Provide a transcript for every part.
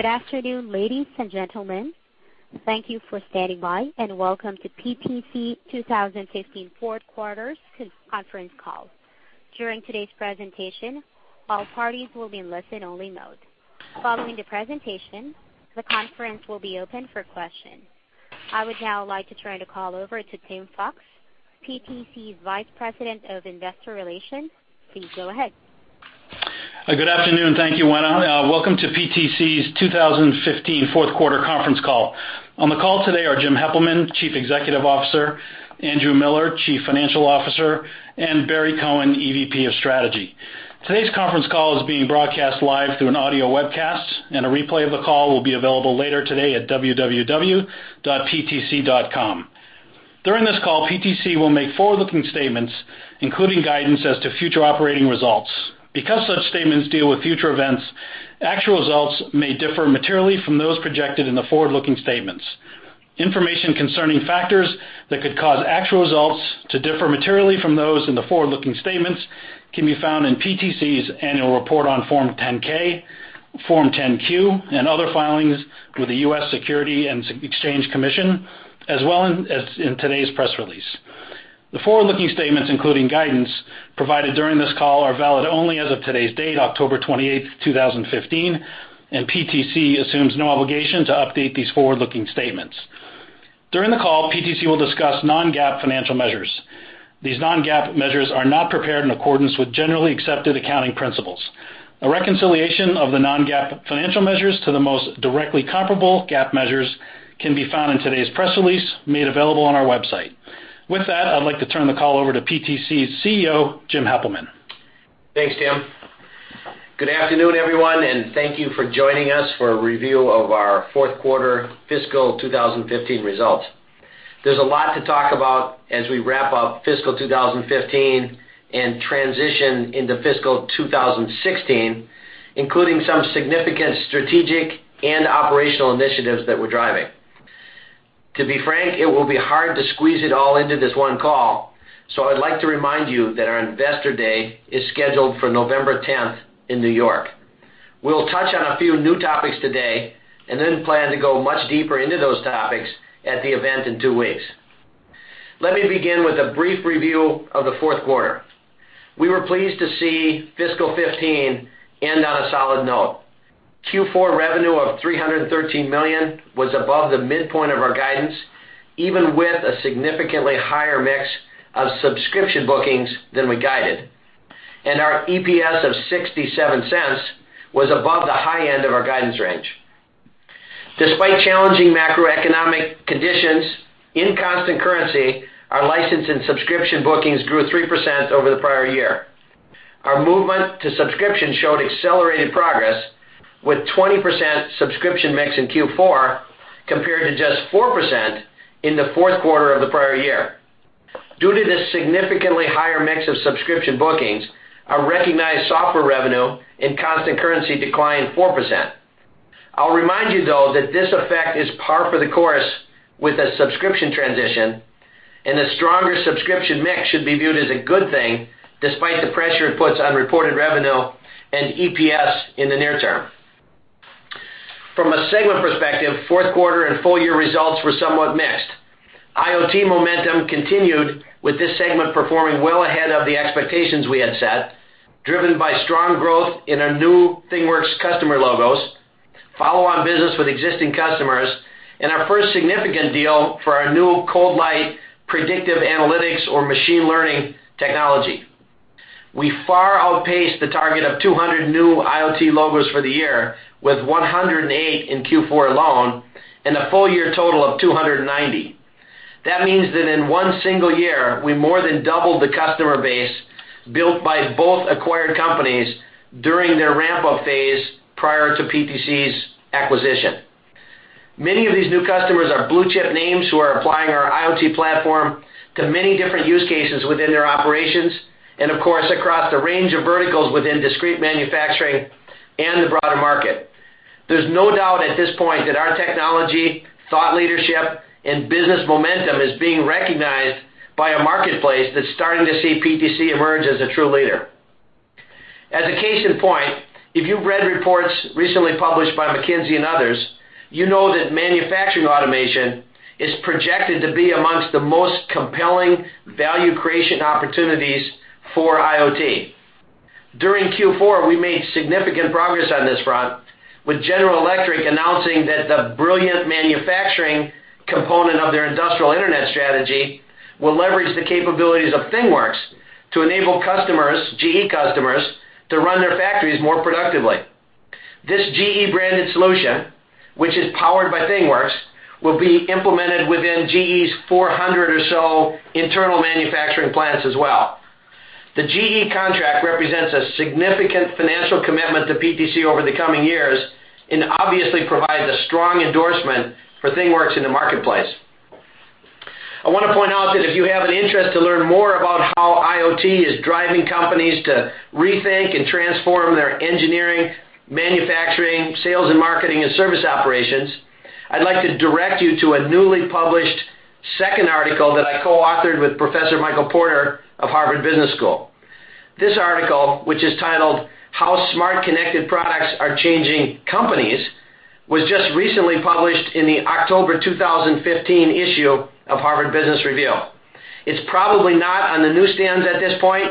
Good afternoon, ladies and gentlemen. Thank you for standing by, welcome to PTC 2015 fourth quarter conference call. During today's presentation, all parties will be in listen-only mode. Following the presentation, the conference will be open for questions. I would now like to turn the call over to Tim Fox, PTC's Vice President of Investor Relations. Please go ahead. Good afternoon. Thank you, Anna. Welcome to PTC's 2015 fourth quarter conference call. On the call today are Jim Heppelmann, Chief Executive Officer, Andrew Miller, Chief Financial Officer, Barry Cohen, EVP of Strategy. Today's conference call is being broadcast live through an audio webcast, a replay of the call will be available later today at www.ptc.com. During this call, PTC will make forward-looking statements, including guidance as to future operating results. Because such statements deal with future events, actual results may differ materially from those projected in the forward-looking statements. Information concerning factors that could cause actual results to differ materially from those in the forward-looking statements can be found in PTC's annual report on Form 10-K, Form 10-Q, and other filings with the U.S. Securities and Exchange Commission, as well as in today's press release. The forward-looking statements, including guidance provided during this call, are valid only as of today's date, October 28, 2015, PTC assumes no obligation to update these forward-looking statements. During the call, PTC will discuss non-GAAP financial measures. These non-GAAP measures are not prepared in accordance with generally accepted accounting principles. A reconciliation of the non-GAAP financial measures to the most directly comparable GAAP measures can be found in today's press release, made available on our website. With that, I'd like to turn the call over to PTC's CEO, Jim Heppelmann. Thanks, Tim. Good afternoon, everyone, thank you for joining us for a review of our fourth quarter fiscal 2015 results. There's a lot to talk about as we wrap up fiscal 2015 and transition into fiscal 2016, including some significant strategic and operational initiatives that we're driving. To be frank, it will be hard to squeeze it all into this one call. I'd like to remind you that our Investor Day is scheduled for November 10 in New York. We'll touch on a few new topics today then plan to go much deeper into those topics at the event in two weeks. Let me begin with a brief review of the fourth quarter. We were pleased to see fiscal 2015 end on a solid note. Q4 revenue of $313 million was above the midpoint of our guidance, even with a significantly higher mix of subscription bookings than we guided. Our EPS of $0.67 was above the high end of our guidance range. Despite challenging macroeconomic conditions, in constant currency, our license and subscription bookings grew 3% over the prior year. Our movement to subscription showed accelerated progress with 20% subscription mix in Q4, compared to just 4% in the fourth quarter of the prior year. Due to this significantly higher mix of subscription bookings, our recognized software revenue in constant currency declined 4%. I'll remind you, though, that this effect is par for the course with a subscription transition, and a stronger subscription mix should be viewed as a good thing, despite the pressure it puts on reported revenue and EPS in the near term. From a segment perspective, fourth quarter and full-year results were somewhat mixed. IoT momentum continued, with this segment performing well ahead of the expectations we had set, driven by strong growth in our new ThingWorx customer logos, follow-on business with existing customers, and our first significant deal for our new ColdLight predictive analytics or machine learning technology. We far outpaced the target of 200 new IoT logos for the year, with 108 in Q4 alone and a full-year total of 290. That means that in one single year, we more than doubled the customer base built by both acquired companies during their ramp-up phase prior to PTC's acquisition. Many of these new customers are blue-chip names who are applying our IoT platform to many different use cases within their operations, and of course, across the range of verticals within discrete manufacturing and the broader market. There's no doubt at this point that our technology, thought leadership, and business momentum is being recognized by a marketplace that's starting to see PTC emerge as a true leader. As a case in point, if you've read reports recently published by McKinsey and others, you know that manufacturing automation is projected to be amongst the most compelling value creation opportunities for IoT. During Q4, we made significant progress on this front, with General Electric announcing that the Brilliant Manufacturing component of their Industrial Internet strategy will leverage the capabilities of ThingWorx to enable GE customers to run their factories more productively. This GE-branded solution, which is powered by ThingWorx, will be implemented within GE's 400 or so internal manufacturing plants as well. The GE contract represents a significant financial commitment to PTC over the coming years and obviously provides a strong endorsement for ThingWorx in the marketplace. I want to point out that if you have an interest to learn more about how IoT is driving companies to rethink and transform their engineering, manufacturing, sales and marketing, and service operations, I'd like to direct you to a newly published second article that I co-authored with Professor Michael Porter of Harvard Business School. This article, which is titled "How Smart, Connected Products Are Changing Companies," was just recently published in the October 2015 issue of Harvard Business Review. It's probably not on the newsstands at this point,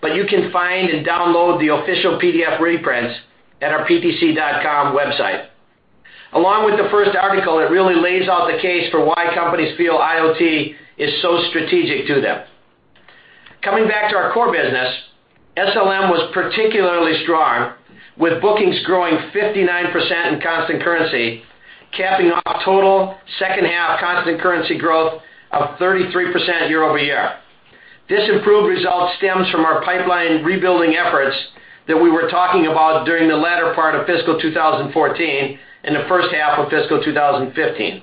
but you can find and download the official PDF reprints at our ptc.com website. Along with the first article, it really lays out the case for why companies feel IoT is so strategic to them. Coming back to our core business, SLM was particularly strong, with bookings growing 59% in constant currency, capping off total second half constant currency growth of 33% year-over-year. This improved result stems from our pipeline rebuilding efforts that we were talking about during the latter part of fiscal 2014 and the first half of fiscal 2015.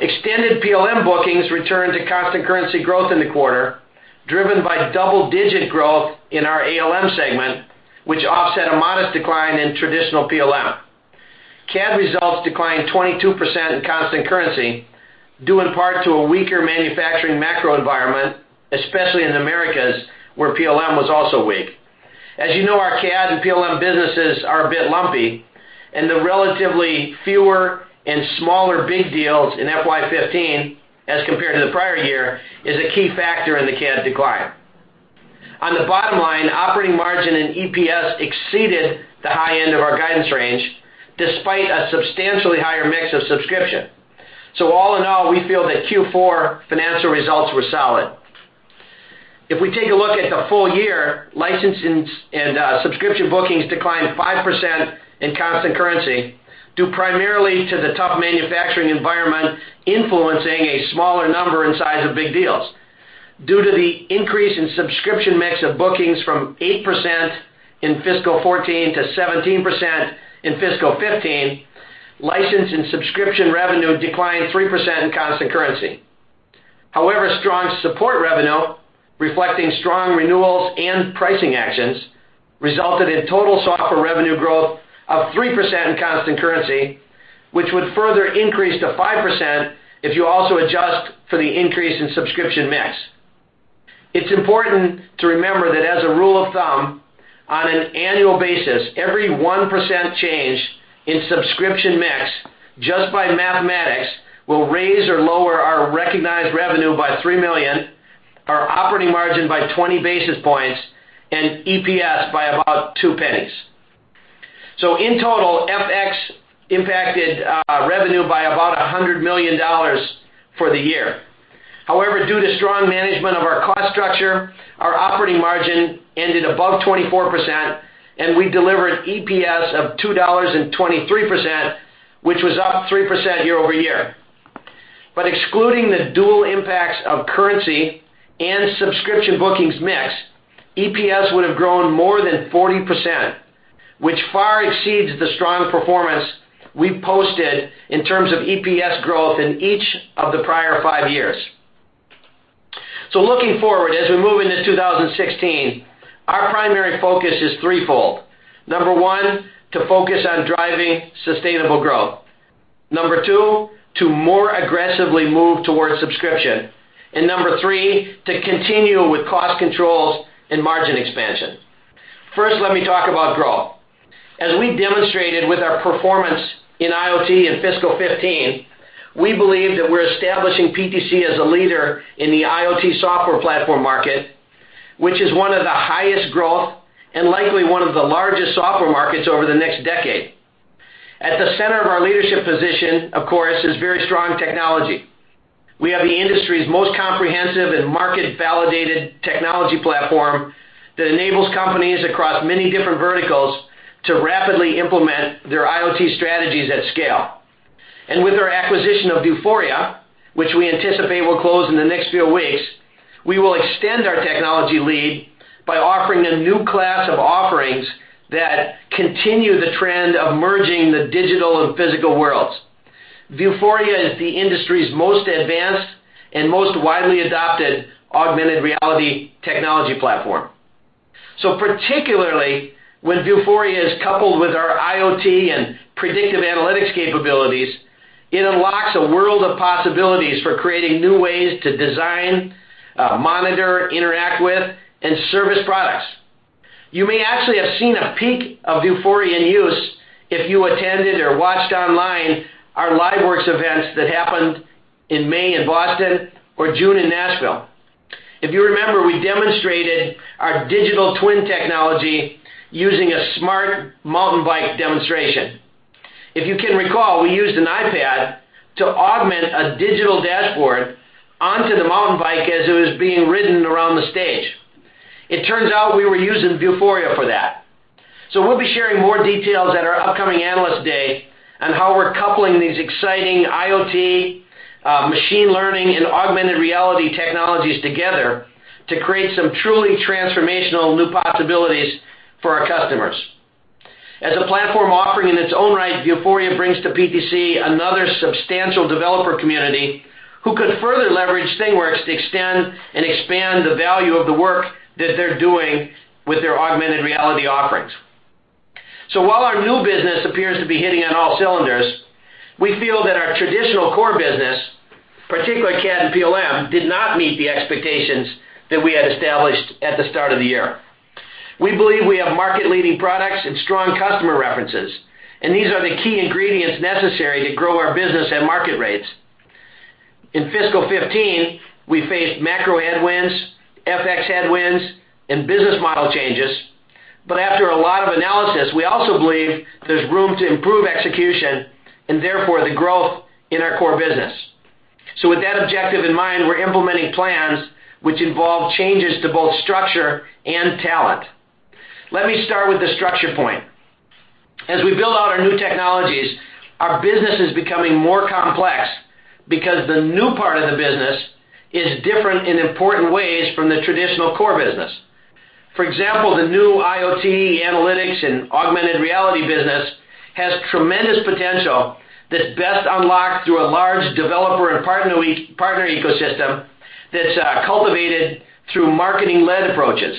Extended PLM bookings returned to constant currency growth in the quarter, driven by double-digit growth in our ALM segment, which offset a modest decline in traditional PLM. CAD results declined 22% in constant currency, due in part to a weaker manufacturing macro environment, especially in the Americas, where PLM was also weak. As you know, our CAD and PLM businesses are a bit lumpy, and the relatively fewer and smaller big deals in FY 2015 as compared to the prior year is a key factor in the CAD decline. On the bottom line, operating margin and EPS exceeded the high end of our guidance range, despite a substantially higher mix of subscription. All in all, we feel that Q4 financial results were solid. If we take a look at the full year, license and subscription bookings declined 5% in constant currency due primarily to the tough manufacturing environment influencing a smaller number and size of big deals. Due to the increase in subscription mix of bookings from 8% in fiscal 2014 to 17% in fiscal 2015, license and subscription revenue declined 3% in constant currency. However, strong support revenue, reflecting strong renewals and pricing actions, resulted in total software revenue growth of 3% in constant currency, which would further increase to 5% if you also adjust for the increase in subscription mix. It's important to remember that as a rule of thumb, on an annual basis, every 1% change in subscription mix, just by mathematics, will raise or lower our recognized revenue by $3 million, our operating margin by 20 basis points, and EPS by about $0.02. In total, FX impacted revenue by about $100 million for the year. However, due to strong management of our cost structure, our operating margin ended above 24%, and we delivered EPS of $2.23, which was up 3% year-over-year. Excluding the dual impacts of currency and subscription bookings mix, EPS would have grown more than 40%, which far exceeds the strong performance we've posted in terms of EPS growth in each of the prior five years. Looking forward, as we move into 2016, our primary focus is threefold. Number one, to focus on driving sustainable growth. Number two, to more aggressively move towards subscription. Number three, to continue with cost controls and margin expansion. First, let me talk about growth. As we demonstrated with our performance in IoT in fiscal 2015, we believe that we're establishing PTC as a leader in the IoT software platform market, which is one of the highest growth and likely one of the largest software markets over the next decade. At the center of our leadership position, of course, is very strong technology. We have the industry's most comprehensive and market-validated technology platform that enables companies across many different verticals to rapidly implement their IoT strategies at scale. With our acquisition of Vuforia, which we anticipate will close in the next few weeks, we will extend our technology lead by offering a new class of offerings that continue the trend of merging the digital and physical worlds. Vuforia is the industry's most advanced and most widely adopted augmented reality technology platform. Particularly when Vuforia is coupled with our IoT and predictive analytics capabilities, it unlocks a world of possibilities for creating new ways to design, monitor, interact with, and service products. You may actually have seen a peek of Vuforia in use if you attended or watched online our LiveWorx events that happened in May in Boston or June in Nashville. If you remember, we demonstrated our digital twin technology using a smart mountain bike demonstration. If you can recall, we used an iPad to augment a digital dashboard onto the mountain bike as it was being ridden around the stage. It turns out we were using Vuforia for that. We'll be sharing more details at our upcoming Analyst Day on how we're coupling these exciting IoT, machine learning, and augmented reality technologies together to create some truly transformational new possibilities for our customers. As a platform offering in its own right, Vuforia brings to PTC another substantial developer community who could further leverage ThingWorx to extend and expand the value of the work that they're doing with their augmented reality offerings. While our new business appears to be hitting on all cylinders, we feel that our traditional core business, particularly CAD and PLM, did not meet the expectations that we had established at the start of the year. We believe we have market-leading products and strong customer references, and these are the key ingredients necessary to grow our business and market rates. In fiscal 2015, we faced macro headwinds, FX headwinds, and business model changes. After a lot of analysis, we also believe there's room to improve execution and therefore the growth in our core business. With that objective in mind, we're implementing plans which involve changes to both structure and talent. Let me start with the structure point. As we build out our new technologies, our business is becoming more complex because the new part of the business is different in important ways from the traditional core business. For example, the new IoT analytics and augmented reality business has tremendous potential that's best unlocked through a large developer and partner ecosystem that's cultivated through marketing-led approaches.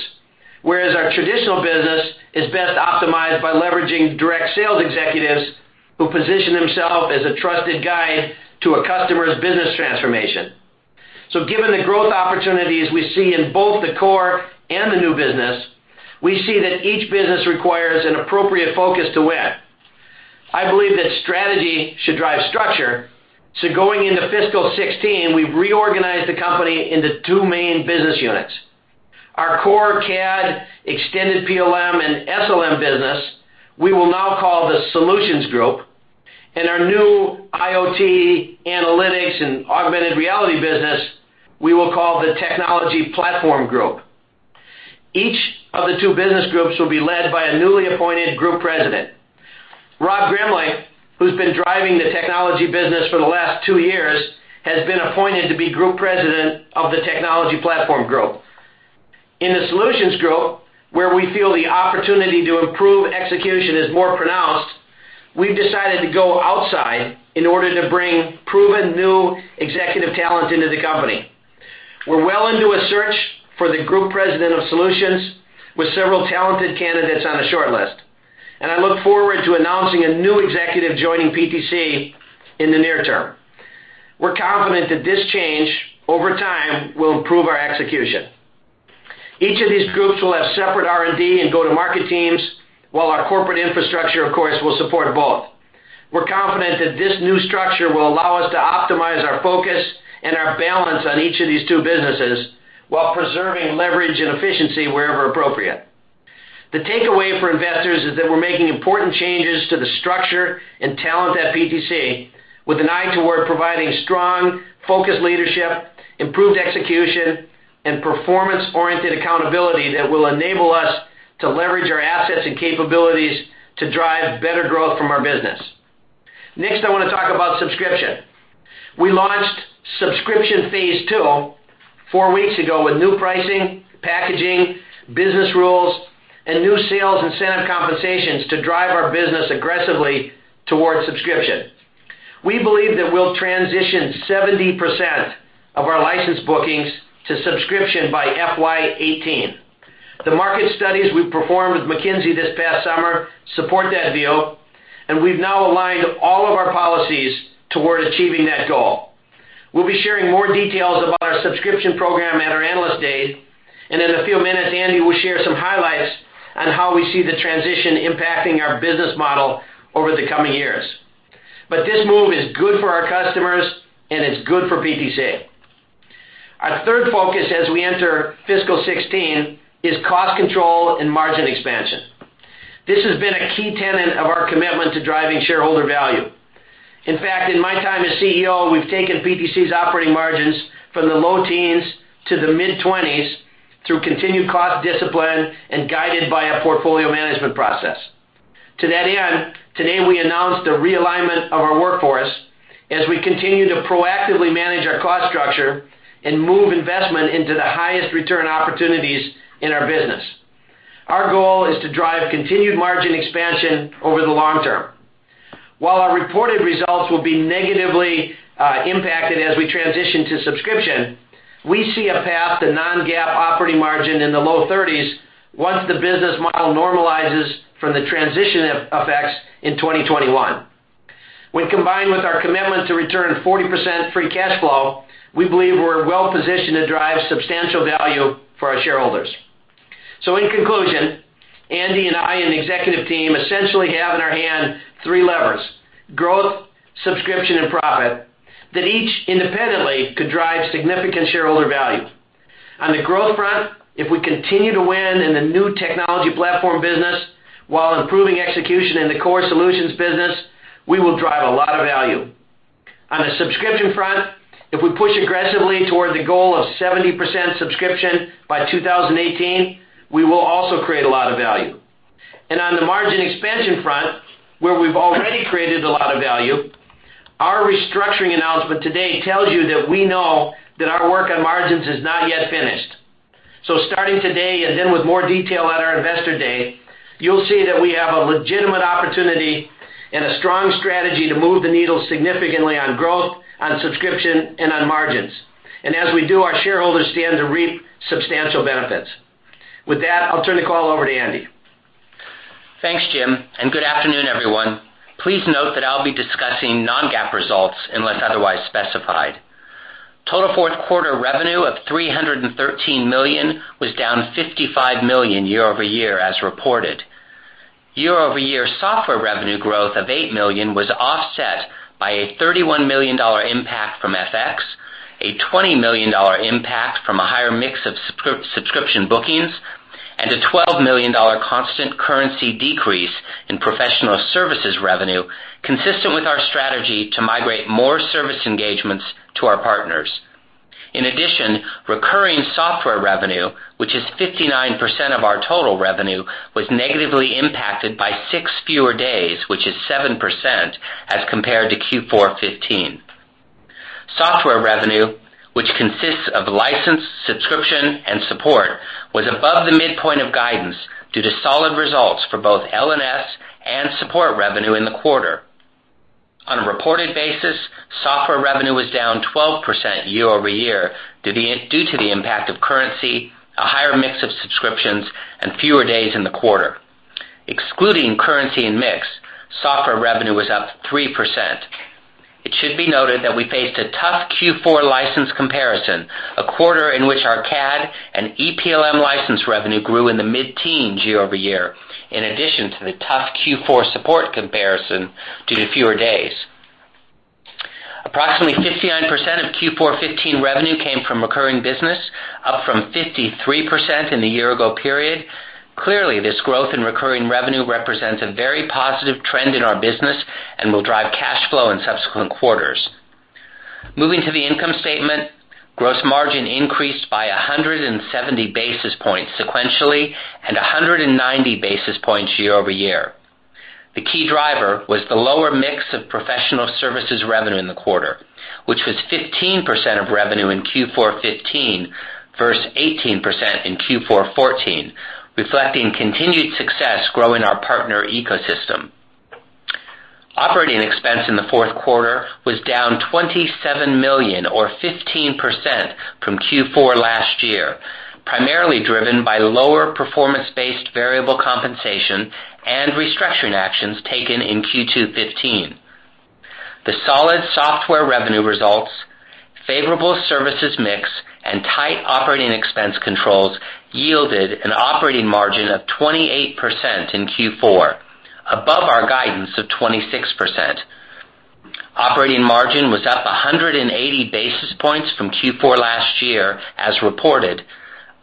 Whereas our traditional business is best optimized by leveraging direct sales executives who position themselves as a trusted guide to a customer's business transformation. Given the growth opportunities we see in both the core and the new business, we see that each business requires an appropriate focus to win. I believe that strategy should drive structure. Going into fiscal 2016, we've reorganized the company into two main business units. Our core CAD, extended PLM, and SLM business, we will now call the solutions group, and our new IoT analytics and augmented reality business, we will call the technology platform group. Each of the two business groups will be led by a newly appointed group president. Rob Gremley, who's been driving the technology business for the last two years, has been appointed to be group president of the technology platform group. In the solutions group, where we feel the opportunity to improve execution is more pronounced, we've decided to go outside in order to bring proven new executive talent into the company. We're well into a search for the Group President of solutions with several talented candidates on the shortlist, and I look forward to announcing a new executive joining PTC in the near term. We're confident that this change, over time, will improve our execution. Each of these groups will have separate R&D and go-to-market teams, while our corporate infrastructure, of course, will support both. We're confident that this new structure will allow us to optimize our focus and our balance on each of these two businesses while preserving leverage and efficiency wherever appropriate. The takeaway for investors is that we're making important changes to the structure and talent at PTC with an eye toward providing strong, focused leadership, improved execution, and performance-oriented accountability that will enable us to leverage our assets and capabilities to drive better growth from our business. I want to talk about subscription. We launched subscription phase two four weeks ago with new pricing, packaging, business rules, and new sales incentive compensations to drive our business aggressively towards subscription. We believe that we'll transition 70% of our licensed bookings to subscription by FY 2018. The market studies we performed with McKinsey this past summer support that view, and we've now aligned all of our policies toward achieving that goal. We'll be sharing more details about our subscription program at our Analyst Day. In a few minutes, Andy will share some highlights on how we see the transition impacting our business model over the coming years. This move is good for our customers and it's good for PTC. Our third focus as we enter fiscal 2016 is cost control and margin expansion. This has been a key tenet of our commitment to driving shareholder value. In fact, in my time as CEO, we've taken PTC's operating margins from the low teens to the mid-20s through continued cost discipline and guided by a portfolio management process. To that end, today, we announced a realignment of our workforce as we continue to proactively manage our cost structure and move investment into the highest return opportunities in our business. Our goal is to drive continued margin expansion over the long term. While our reported results will be negatively impacted as we transition to subscription, we see a path to non-GAAP operating margin in the low 30s once the business model normalizes from the transition effects in 2021. When combined with our commitment to return 40% free cash flow, we believe we're well positioned to drive substantial value for our shareholders. In conclusion, Andy and I and the executive team essentially have in our hand three levers, growth, subscription, and profit, that each independently could drive significant shareholder value. On the growth front, if we continue to win in the new technology platform business while improving execution in the core solutions business, we will drive a lot of value. On the subscription front, if we push aggressively toward the goal of 70% subscription by 2018, we will also create a lot of value. On the margin expansion front, where we've already created a lot of value, our restructuring announcement today tells you that we know that our work on margins is not yet finished. Starting today and then with more detail at our Investor Day, you'll see that we have a legitimate opportunity and a strong strategy to move the needle significantly on growth, on subscription, and on margins. As we do, our shareholders stand to reap substantial benefits. With that, I'll turn the call over to Andy. Thanks, Jim, and good afternoon, everyone. Please note that I'll be discussing non-GAAP results unless otherwise specified. Total fourth quarter revenue of $313 million was down $55 million year-over-year as reported. Year-over-year software revenue growth of $8 million was offset by a $31 million impact from FX, a $20 million impact from a higher mix of subscription bookings, and a $12 million constant currency decrease in professional services revenue, consistent with our strategy to migrate more service engagements to our partners. In addition, recurring software revenue, which is 59% of our total revenue, was negatively impacted by six fewer days, which is 7%, as compared to Q4 2015. Software revenue, which consists of license, subscription, and support, was above the midpoint of guidance due to solid results for both L&S and support revenue in the quarter. On a reported basis, software revenue was down 12% year-over-year due to the impact of currency, a higher mix of subscriptions, and fewer days in the quarter. Excluding currency and mix, software revenue was up 3%. It should be noted that we faced a tough Q4 license comparison, a quarter in which our CAD and EPLM license revenue grew in the mid-teens year-over-year, in addition to the tough Q4 support comparison due to fewer days. Approximately 59% of Q4 2015 revenue came from recurring business, up from 53% in the year-ago period. Clearly, this growth in recurring revenue represents a very positive trend in our business and will drive cash flow in subsequent quarters. Moving to the income statement, gross margin increased by 170 basis points sequentially and 190 basis points year-over-year. The key driver was the lower mix of professional services revenue in the quarter, which was 15% of revenue in Q4 2015 versus 18% in Q4 2014, reflecting continued success growing our partner ecosystem. Operating expense in the fourth quarter was down $27 million or 15% from Q4 last year, primarily driven by lower performance-based variable compensation and restructuring actions taken in Q2 2015. The solid software revenue results, favorable services mix, and tight operating expense controls yielded an operating margin of 28% in Q4, above our guidance of 26%. Operating margin was up 180 basis points from Q4 last year as reported,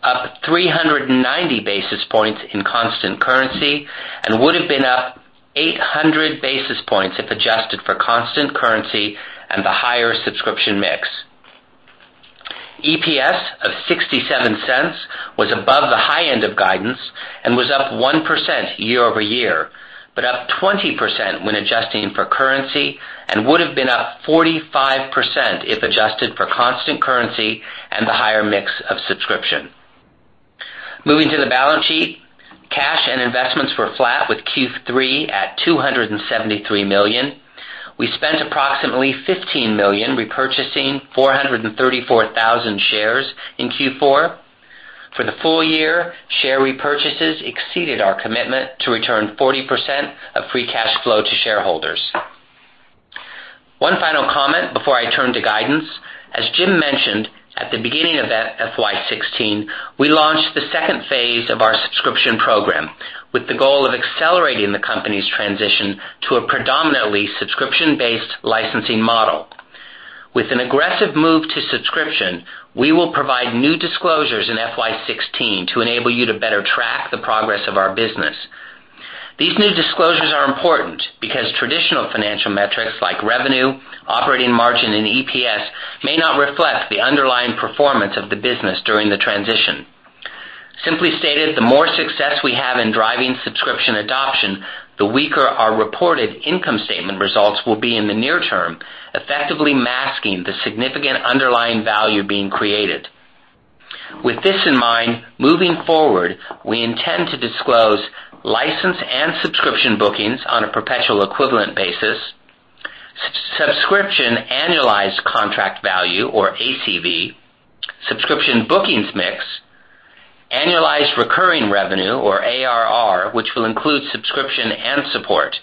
up 390 basis points in constant currency, and would have been up 800 basis points if adjusted for constant currency and the higher subscription mix. EPS of $0.67 was above the high end of guidance and was up 1% year-over-year, but up 20% when adjusting for currency and would have been up 45% if adjusted for constant currency and the higher mix of subscription. Moving to the balance sheet, cash and investments were flat with Q3 at $273 million. We spent approximately $15 million repurchasing 434,000 shares in Q4. For the full year, share repurchases exceeded our commitment to return 40% of free cash flow to shareholders. One final comment before I turn to guidance. As Jim mentioned, at the beginning of FY 2016, we launched the second phase of our subscription program with the goal of accelerating the company's transition to a predominantly subscription-based licensing model. With an aggressive move to subscription, we will provide new disclosures in FY 2016 to enable you to better track the progress of our business. These new disclosures are important because traditional financial metrics like revenue, operating margin, and EPS may not reflect the underlying performance of the business during the transition. Simply stated, the more success we have in driving subscription adoption, the weaker our reported income statement results will be in the near term, effectively masking the significant underlying value being created. With this in mind, moving forward, we intend to disclose License and Subscription bookings on a perpetual equivalent basis, subscription annualized contract value, or ACV, subscription bookings mix, annualized recurring revenue, or ARR, which will include subscription and support.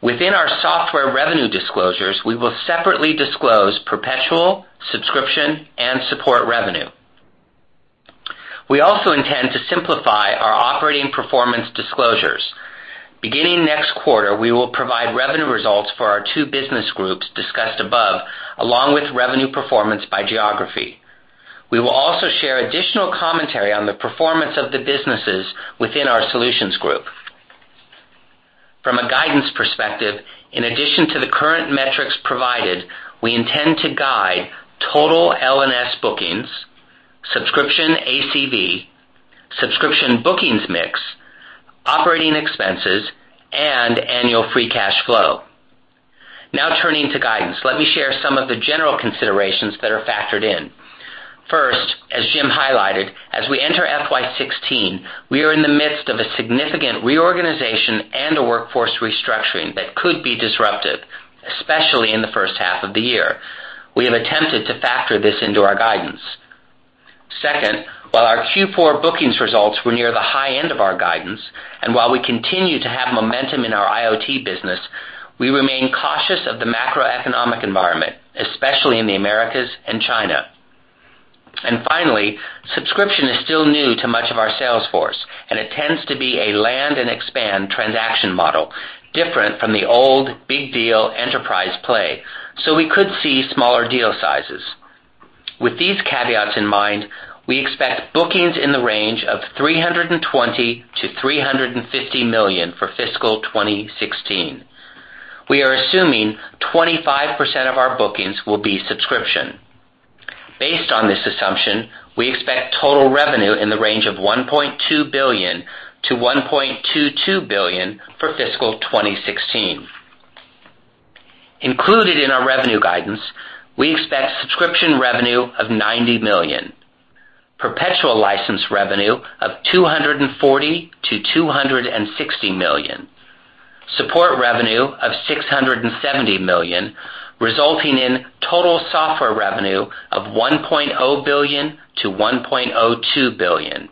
Within our software revenue disclosures, we will separately disclose Perpetual, Subscription, and Support revenue. We also intend to simplify our operating performance disclosures. Beginning next quarter, we will provide revenue results for our two business groups discussed above, along with revenue performance by geography. We will also share additional commentary on the performance of the businesses within our solutions group. From a guidance perspective, in addition to the current metrics provided, we intend to guide total L&S bookings, subscription ACV, subscription bookings mix, operating expenses, and annual free cash flow. Turning to guidance, let me share some of the general considerations that are factored in. First, as Jim highlighted, as we enter FY 2016, we are in the midst of a significant reorganization and a workforce restructuring that could be disruptive, especially in the first half of the year. We have attempted to factor this into our guidance. Second, while our Q4 bookings results were near the high end of our guidance, while we continue to have momentum in our IoT business, we remain cautious of the macroeconomic environment, especially in the Americas and China. Finally, subscription is still new to much of our sales force, and it tends to be a land-and-expand transaction model, different from the old big deal enterprise play. We could see smaller deal sizes. With these caveats in mind, we expect bookings in the range of $320 million-$350 million for fiscal 2016. We are assuming 25% of our bookings will be subscription. Based on this assumption, we expect total revenue in the range of $1.2 billion-$1.22 billion for fiscal 2016. Included in our revenue guidance, we expect subscription revenue of $90 million, perpetual license revenue of $240 million-$260 million, support revenue of $670 million, resulting in total software revenue of $1.0 billion-$1.02 billion.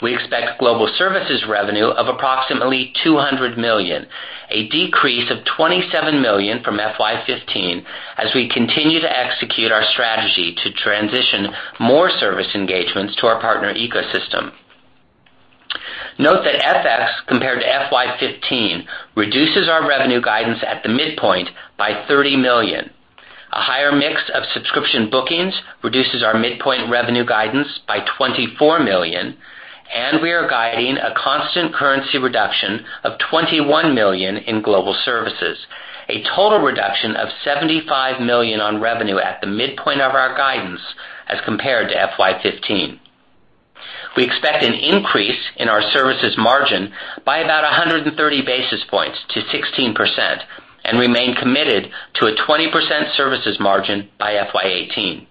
We expect global services revenue of approximately $200 million, a decrease of $27 million from FY 2015 as we continue to execute our strategy to transition more service engagements to our partner ecosystem. Note that FX compared to FY 2015 reduces our revenue guidance at the midpoint by $30 million. A higher mix of subscription bookings reduces our midpoint revenue guidance by $24 million, and we are guiding a constant currency reduction of $21 million in global services. A total reduction of $75 million on revenue at the midpoint of our guidance as compared to FY 2015. We expect an increase in our services margin by about 130 basis points to 16% and remain committed to a 20% services margin by FY 2018.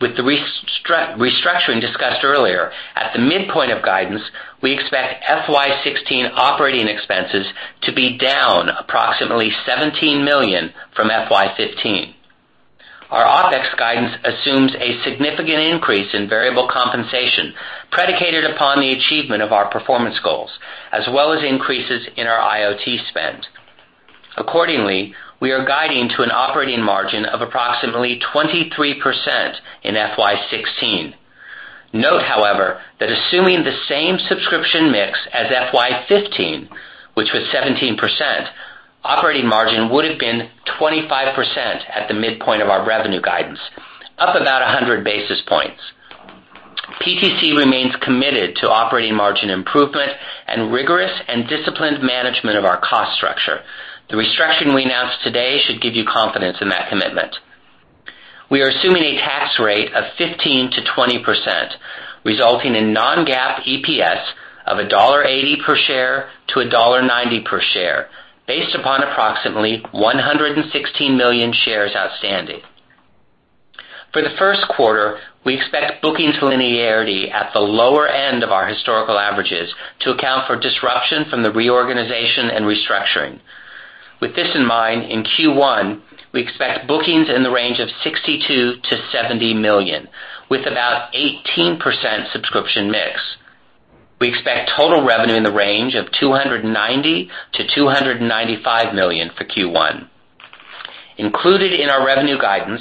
With the restructuring discussed earlier, at the midpoint of guidance, we expect FY 2016 operating expenses to be down approximately $17 million from FY 2015. Our OpEx guidance assumes a significant increase in variable compensation predicated upon the achievement of our performance goals, as well as increases in our IoT spend. Accordingly, we are guiding to an operating margin of approximately 23% in FY 2016. Note, however, that assuming the same subscription mix as FY 2015, which was 17%, operating margin would have been 25% at the midpoint of our revenue guidance, up about 100 basis points. PTC remains committed to operating margin improvement and rigorous and disciplined management of our cost structure. The restructuring we announced today should give you confidence in that commitment. We are assuming a tax rate of 15%-20%, resulting in non-GAAP EPS of $1.80 per share-$1.90 per share based upon approximately 116 million shares outstanding. For the first quarter, we expect bookings linearity at the lower end of our historical averages to account for disruption from the reorganization and restructuring. With this in mind, in Q1, we expect bookings in the range of $62 million-$70 million, with about 18% subscription mix. We expect total revenue in the range of $290 million-$295 million for Q1. Included in our revenue guidance,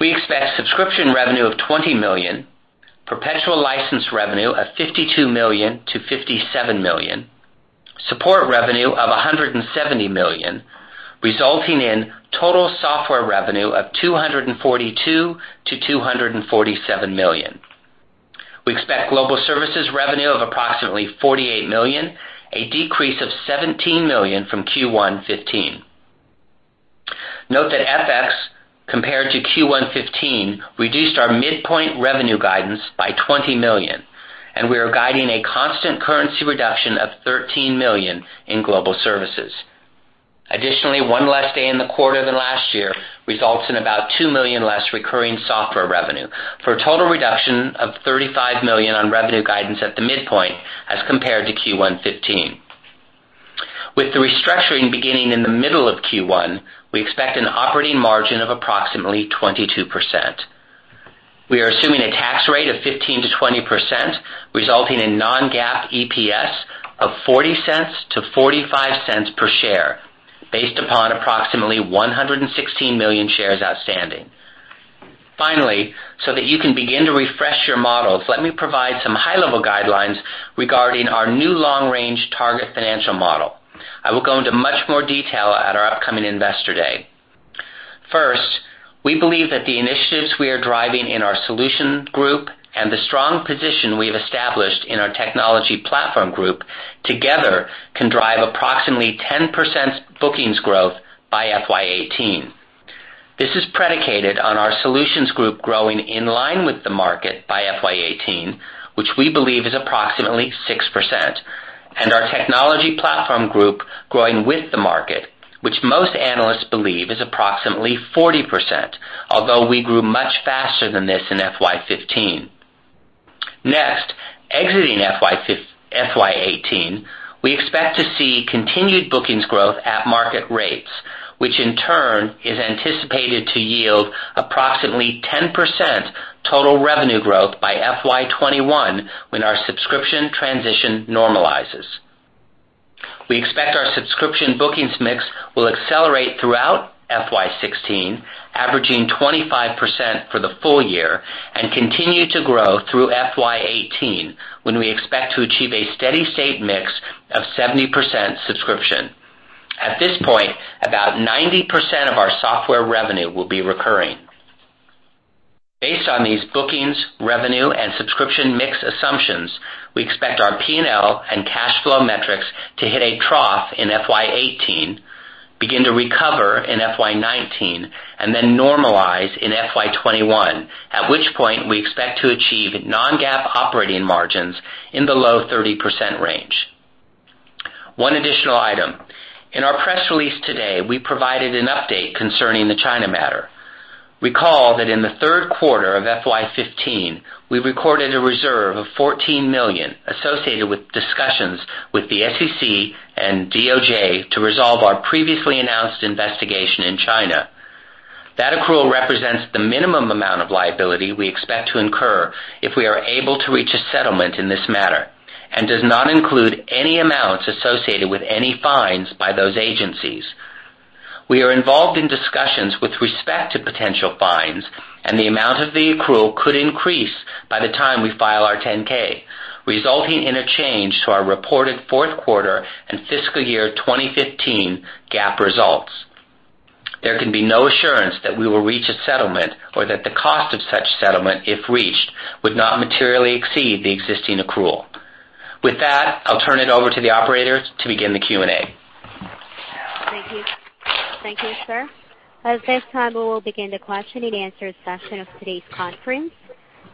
we expect subscription revenue of $20 million, perpetual license revenue of $52 million-$57 million, support revenue of $170 million, resulting in total software revenue of $242 million-$247 million. We expect global services revenue of approximately $48 million, a decrease of $17 million from Q1 2015. Note that FX, compared to Q1 2015, reduced our midpoint revenue guidance by $20 million, and we are guiding a constant currency reduction of $13 million in global services. Additionally, one less day in the quarter than last year results in about $2 million less recurring software revenue for a total reduction of $35 million on revenue guidance at the midpoint as compared to Q1 2015. With the restructuring beginning in the middle of Q1, we expect an operating margin of approximately 22%. We are assuming a tax rate of 15%-20%, resulting in non-GAAP EPS of $0.40-$0.45 per share based upon approximately 116 million shares outstanding. Finally, so that you can begin to refresh your models, let me provide some high-level guidelines regarding our new long-range target financial model. I will go into much more detail at our upcoming Investor Day. We believe that the initiatives we are driving in our Solutions Group and the strong position we've established in our Technology Platform Group together can drive approximately 10% bookings growth by FY 2018. This is predicated on our Solutions Group growing in line with the market by FY 2018, which we believe is approximately 6%, and our Technology Platform Group growing with the market, which most analysts believe is approximately 40%, although we grew much faster than this in FY 2015. Exiting FY 2018, we expect to see continued bookings growth at market rates, which in turn is anticipated to yield approximately 10% total revenue growth by FY 2021, when our subscription transition normalizes. We expect our subscription bookings mix will accelerate throughout FY 2016, averaging 25% for the full year, and continue to grow through FY 2018, when we expect to achieve a steady state mix of 70% subscription. At this point, about 90% of our software revenue will be recurring. Based on these bookings, revenue, and subscription mix assumptions, we expect our P&L and cash flow metrics to hit a trough in FY 2018, begin to recover in FY 2019, and then normalize in FY 2021, at which point we expect to achieve non-GAAP operating margins in the low 30% range. One additional item. In our press release today, we provided an update concerning the China matter. Recall that in the third quarter of FY 2015, we recorded a reserve of $14 million associated with discussions with the SEC and DOJ to resolve our previously announced investigation in China. That accrual represents the minimum amount of liability we expect to incur if we are able to reach a settlement in this matter and does not include any amounts associated with any fines by those agencies. We are involved in discussions with respect to potential fines, and the amount of the accrual could increase by the time we file our 10-K, resulting in a change to our reported fourth quarter and fiscal year 2015 GAAP results. There can be no assurance that we will reach a settlement or that the cost of such settlement, if reached, would not materially exceed the existing accrual. With that, I'll turn it over to the operator to begin the Q&A. Thank you. Thank you, sir. At this time, we will begin the question-and-answer session of today's conference.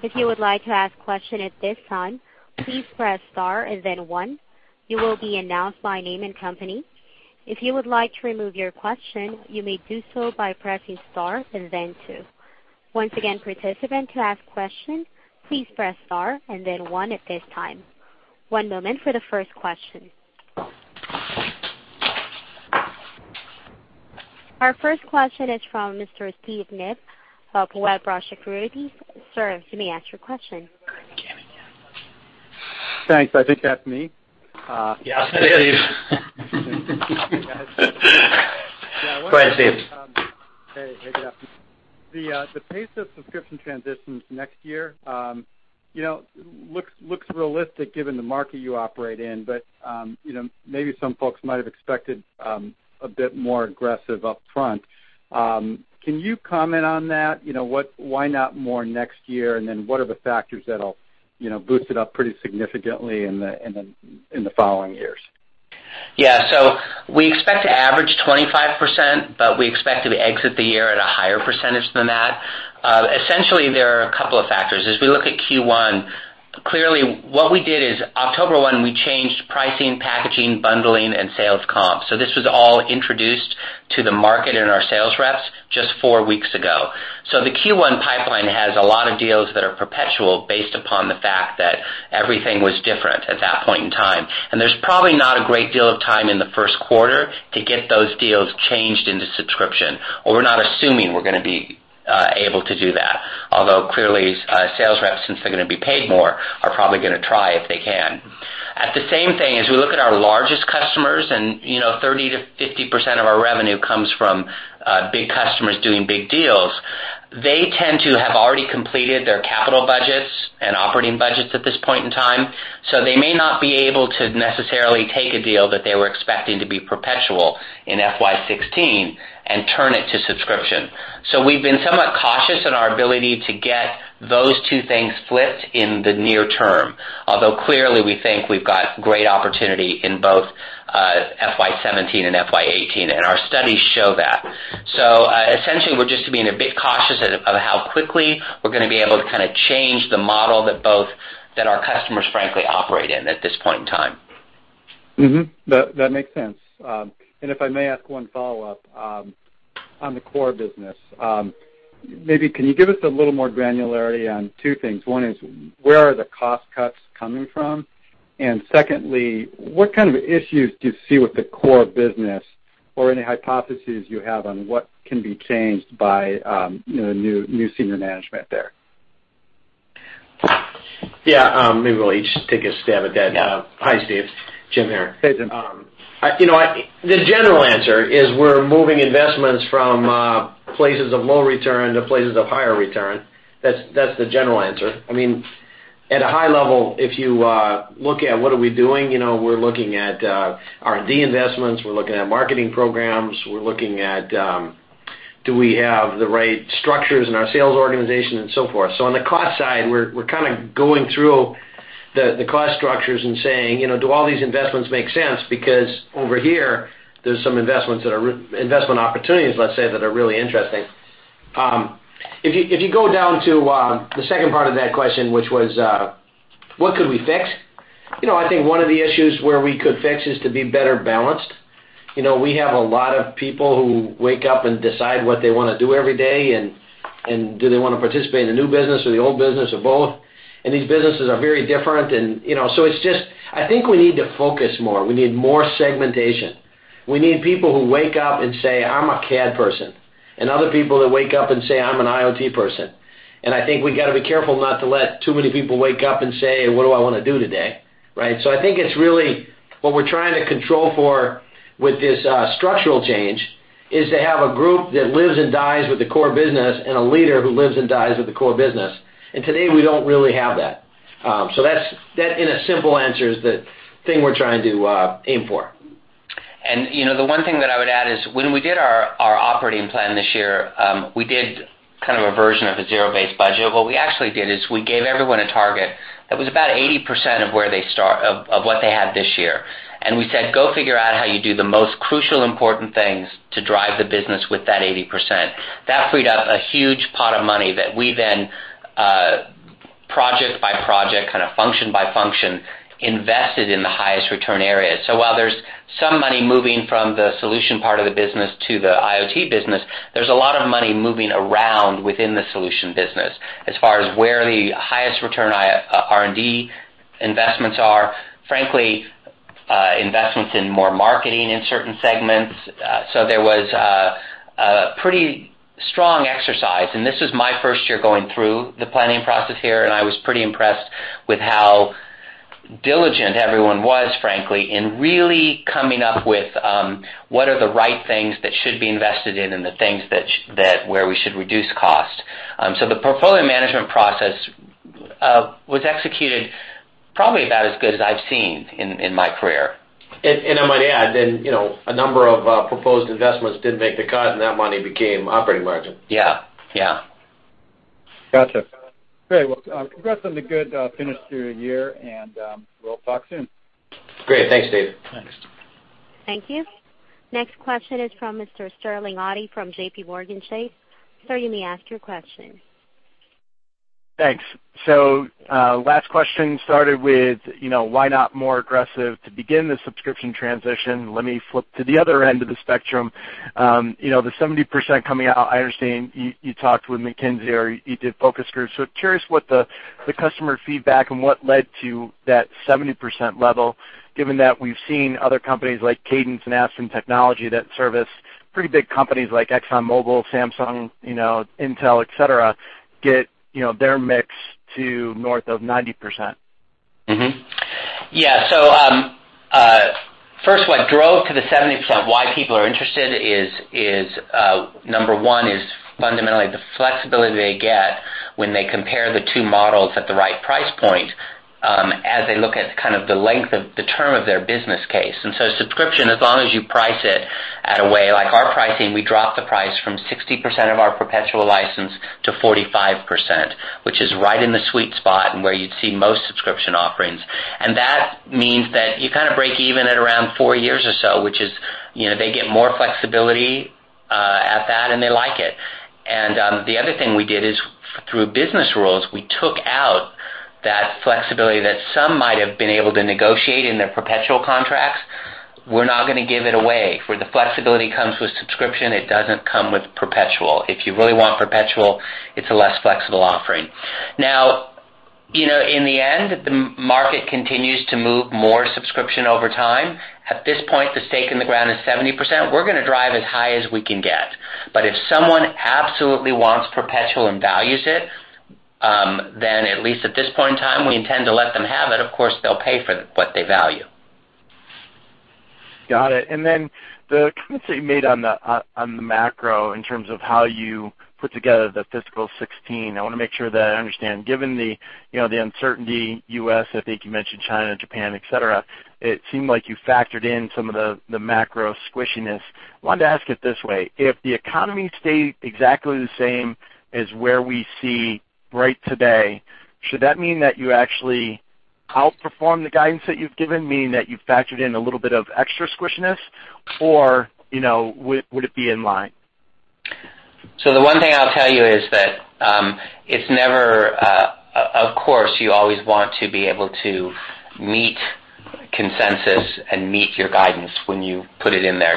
If you would like to ask a question at this time, please press star and then one. You will be announced by name and company. If you would like to remove your question, you may do so by pressing star and then two. Once again, participant to ask question, please press star and then one at this time. One moment for the first question. Our first question is from Mr. Steve Koenig of Wedbush Securities. Sir, you may ask your question. Thanks. I think that's me. Yeah. It's Steve. Yeah. Go ahead, Steve. Hey, good afternoon. The pace of subscription transitions next year looks realistic given the market you operate in. Maybe some folks might have expected a bit more aggressive up front. Can you comment on that? Why not more next year? What are the factors that'll boost it up pretty significantly in the following years? Yeah. We expect to average 25%, but we expect to exit the year at a higher percentage than that. Essentially, there are a couple of factors. As we look at Q1, clearly what we did is October 1, we changed pricing, packaging, bundling, and sales comps. This was all introduced to the market and our sales reps just four weeks ago. The Q1 pipeline has a lot of deals that are perpetual based upon the fact that everything was different at that point in time. There's probably not a great deal of time in the first quarter to get those deals changed into subscription, or we're not assuming we're going to be able to do that. Although clearly, sales reps, since they're going to be paid more, are probably going to try if they can. At the same thing, as we look at our largest customers, 30%-50% of our revenue comes from big customers doing big deals. They tend to have already completed their capital budgets and operating budgets at this point in time. They may not be able to necessarily take a deal that they were expecting to be perpetual in FY 2016 and turn it to subscription. We've been somewhat cautious in our ability to get those two things flipped in the near term. Although clearly, we think we've got great opportunity in both FY 2017 and FY 2018, and our studies show that. Essentially, we're just being a bit cautious of how quickly we're going to be able to change the model that our customers frankly operate in at this point in time. Mm-hmm. That makes sense. If I may ask one follow-up on the core business. Maybe can you give us a little more granularity on two things? One is, where are the cost cuts coming from? Secondly, what kind of issues do you see with the core business? Or any hypotheses you have on what can be changed by new senior management there? Yeah. Maybe we'll each take a stab at that. Yeah. Hi, Steve. Jim here. Hey, Jim. The general answer is we're moving investments from places of low return to places of higher return. That's the general answer. At a high level, if you look at what are we doing, we're looking at R&D investments. We're looking at marketing programs. We're looking at do we have the right structures in our sales organization and so forth. On the cost side, we're kind of going through the cost structures and saying, do all these investments make sense? Because over here, there's some investment opportunities, let's say, that are really interesting. If you go down to the second part of that question, which was, what could we fix? I think one of the issues where we could fix is to be better balanced. We have a lot of people who wake up and decide what they want to do every day, do they want to participate in the new business or the old business or both? These businesses are very different. I think we need to focus more. We need more segmentation. We need people who wake up and say, "I'm a CAD person," and other people that wake up and say, "I'm an IoT person." I think we've got to be careful not to let too many people wake up and say, "What do I want to do today?" Right? I think what we're trying to control for with this structural change is to have a group that lives and dies with the core business and a leader who lives and dies with the core business. Today, we don't really have that. That, in a simple answer, is the thing we're trying to aim for. The one thing that I would add is when we did our operating plan this year, we did kind of a version of a zero-based budget. What we actually did is we gave everyone a target that was about 80% of what they had this year. We said, "Go figure out how you do the most crucial, important things to drive the business with that 80%." That freed up a huge pot of money that we then, project by project, kind of function by function, invested in the highest return areas. While there's some money moving from the solution part of the business to the IoT business, there's a lot of money moving around within the solution business as far as where the highest return R&D investments are, frankly, investments in more marketing in certain segments. There was a pretty strong exercise, and this is my first year going through the planning process here, and I was pretty impressed with how diligent everyone was, frankly, in really coming up with what are the right things that should be invested in and the things where we should reduce costs. The portfolio management process was executed probably about as good as I've seen in my career. I might add, and a number of proposed investments didn't make the cut, and that money became operating margin. Yeah. Gotcha. Great. Well, congrats on the good finish to the year, and we'll talk soon. Great. Thanks, Steve. Thanks. Thank you. Next question is from Mr. Sterling Auty from JPMorgan Chase. Sir, you may ask your question. Thanks. Last question started with why not more aggressive to begin the subscription transition. Let me flip to the other end of the spectrum. The 70% coming out, I understand you talked with McKinsey or you did focus groups, so curious what the customer feedback and what led to that 70% level, given that we've seen other companies like Cadence and Aspen Technology that service pretty big companies like ExxonMobil, Samsung, Intel, et cetera, get their mix to north of 90%. First, what drove to the 70%, why people are interested is, number 1, is fundamentally the flexibility they get when they compare the two models at the right price point as they look at kind of the length of the term of their business case. Subscription, as long as you price it at a way like our pricing, we drop the price from 60% of our perpetual license to 45%, which is right in the sweet spot and where you'd see most subscription offerings. That means that you kind of break even at around four years or so, which is they get more flexibility at that, and they like it. The other thing we did is through business rules, we took out that flexibility that some might have been able to negotiate in their perpetual contracts. We're not going to give it away, for the flexibility comes with subscription, it doesn't come with perpetual. If you really want perpetual, it's a less flexible offering. In the end, if the market continues to move more subscription over time, at this point, the stake in the ground is 70%. We're going to drive as high as we can get. If someone absolutely wants perpetual and values it, then at least at this point in time, we intend to let them have it. Of course, they'll pay for what they value. Got it. The comments that you made on the macro in terms of how you put together the fiscal 2016, I want to make sure that I understand. Given the uncertainty, U.S., I think you mentioned China, Japan, et cetera, it seemed like you factored in some of the macro squishiness. Wanted to ask it this way: If the economy stayed exactly the same as where we see right today, should that mean that you actually outperform the guidance that you've given, meaning that you factored in a little bit of extra squishiness, or would it be in line? The one thing I'll tell you is that of course, you always want to be able to meet consensus and meet your guidance when you put it in there.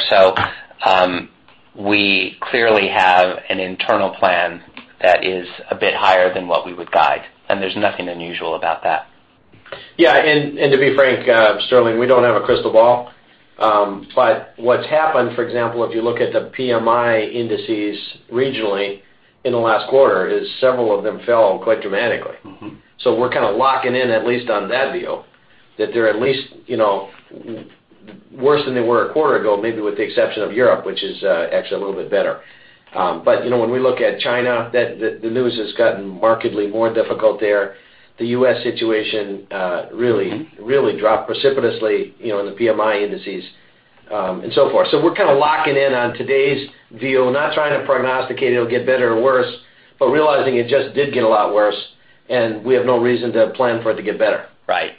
We clearly have an internal plan that is a bit higher than what we would guide, and there's nothing unusual about that. Yeah. To be frank, Sterling, we don't have a crystal ball. What's happened, for example, if you look at the PMI indices regionally in the last quarter, is several of them fell quite dramatically. We're kind of locking in, at least on that view, that they're at least worse than they were a quarter ago, maybe with the exception of Europe, which is actually a little bit better. When we look at China, the news has gotten markedly more difficult there. The U.S. situation really dropped precipitously in the PMI indices. So forth. We're kind of locking in on today's view, not trying to prognosticate it'll get better or worse, but realizing it just did get a lot worse, and we have no reason to plan for it to get better. Right.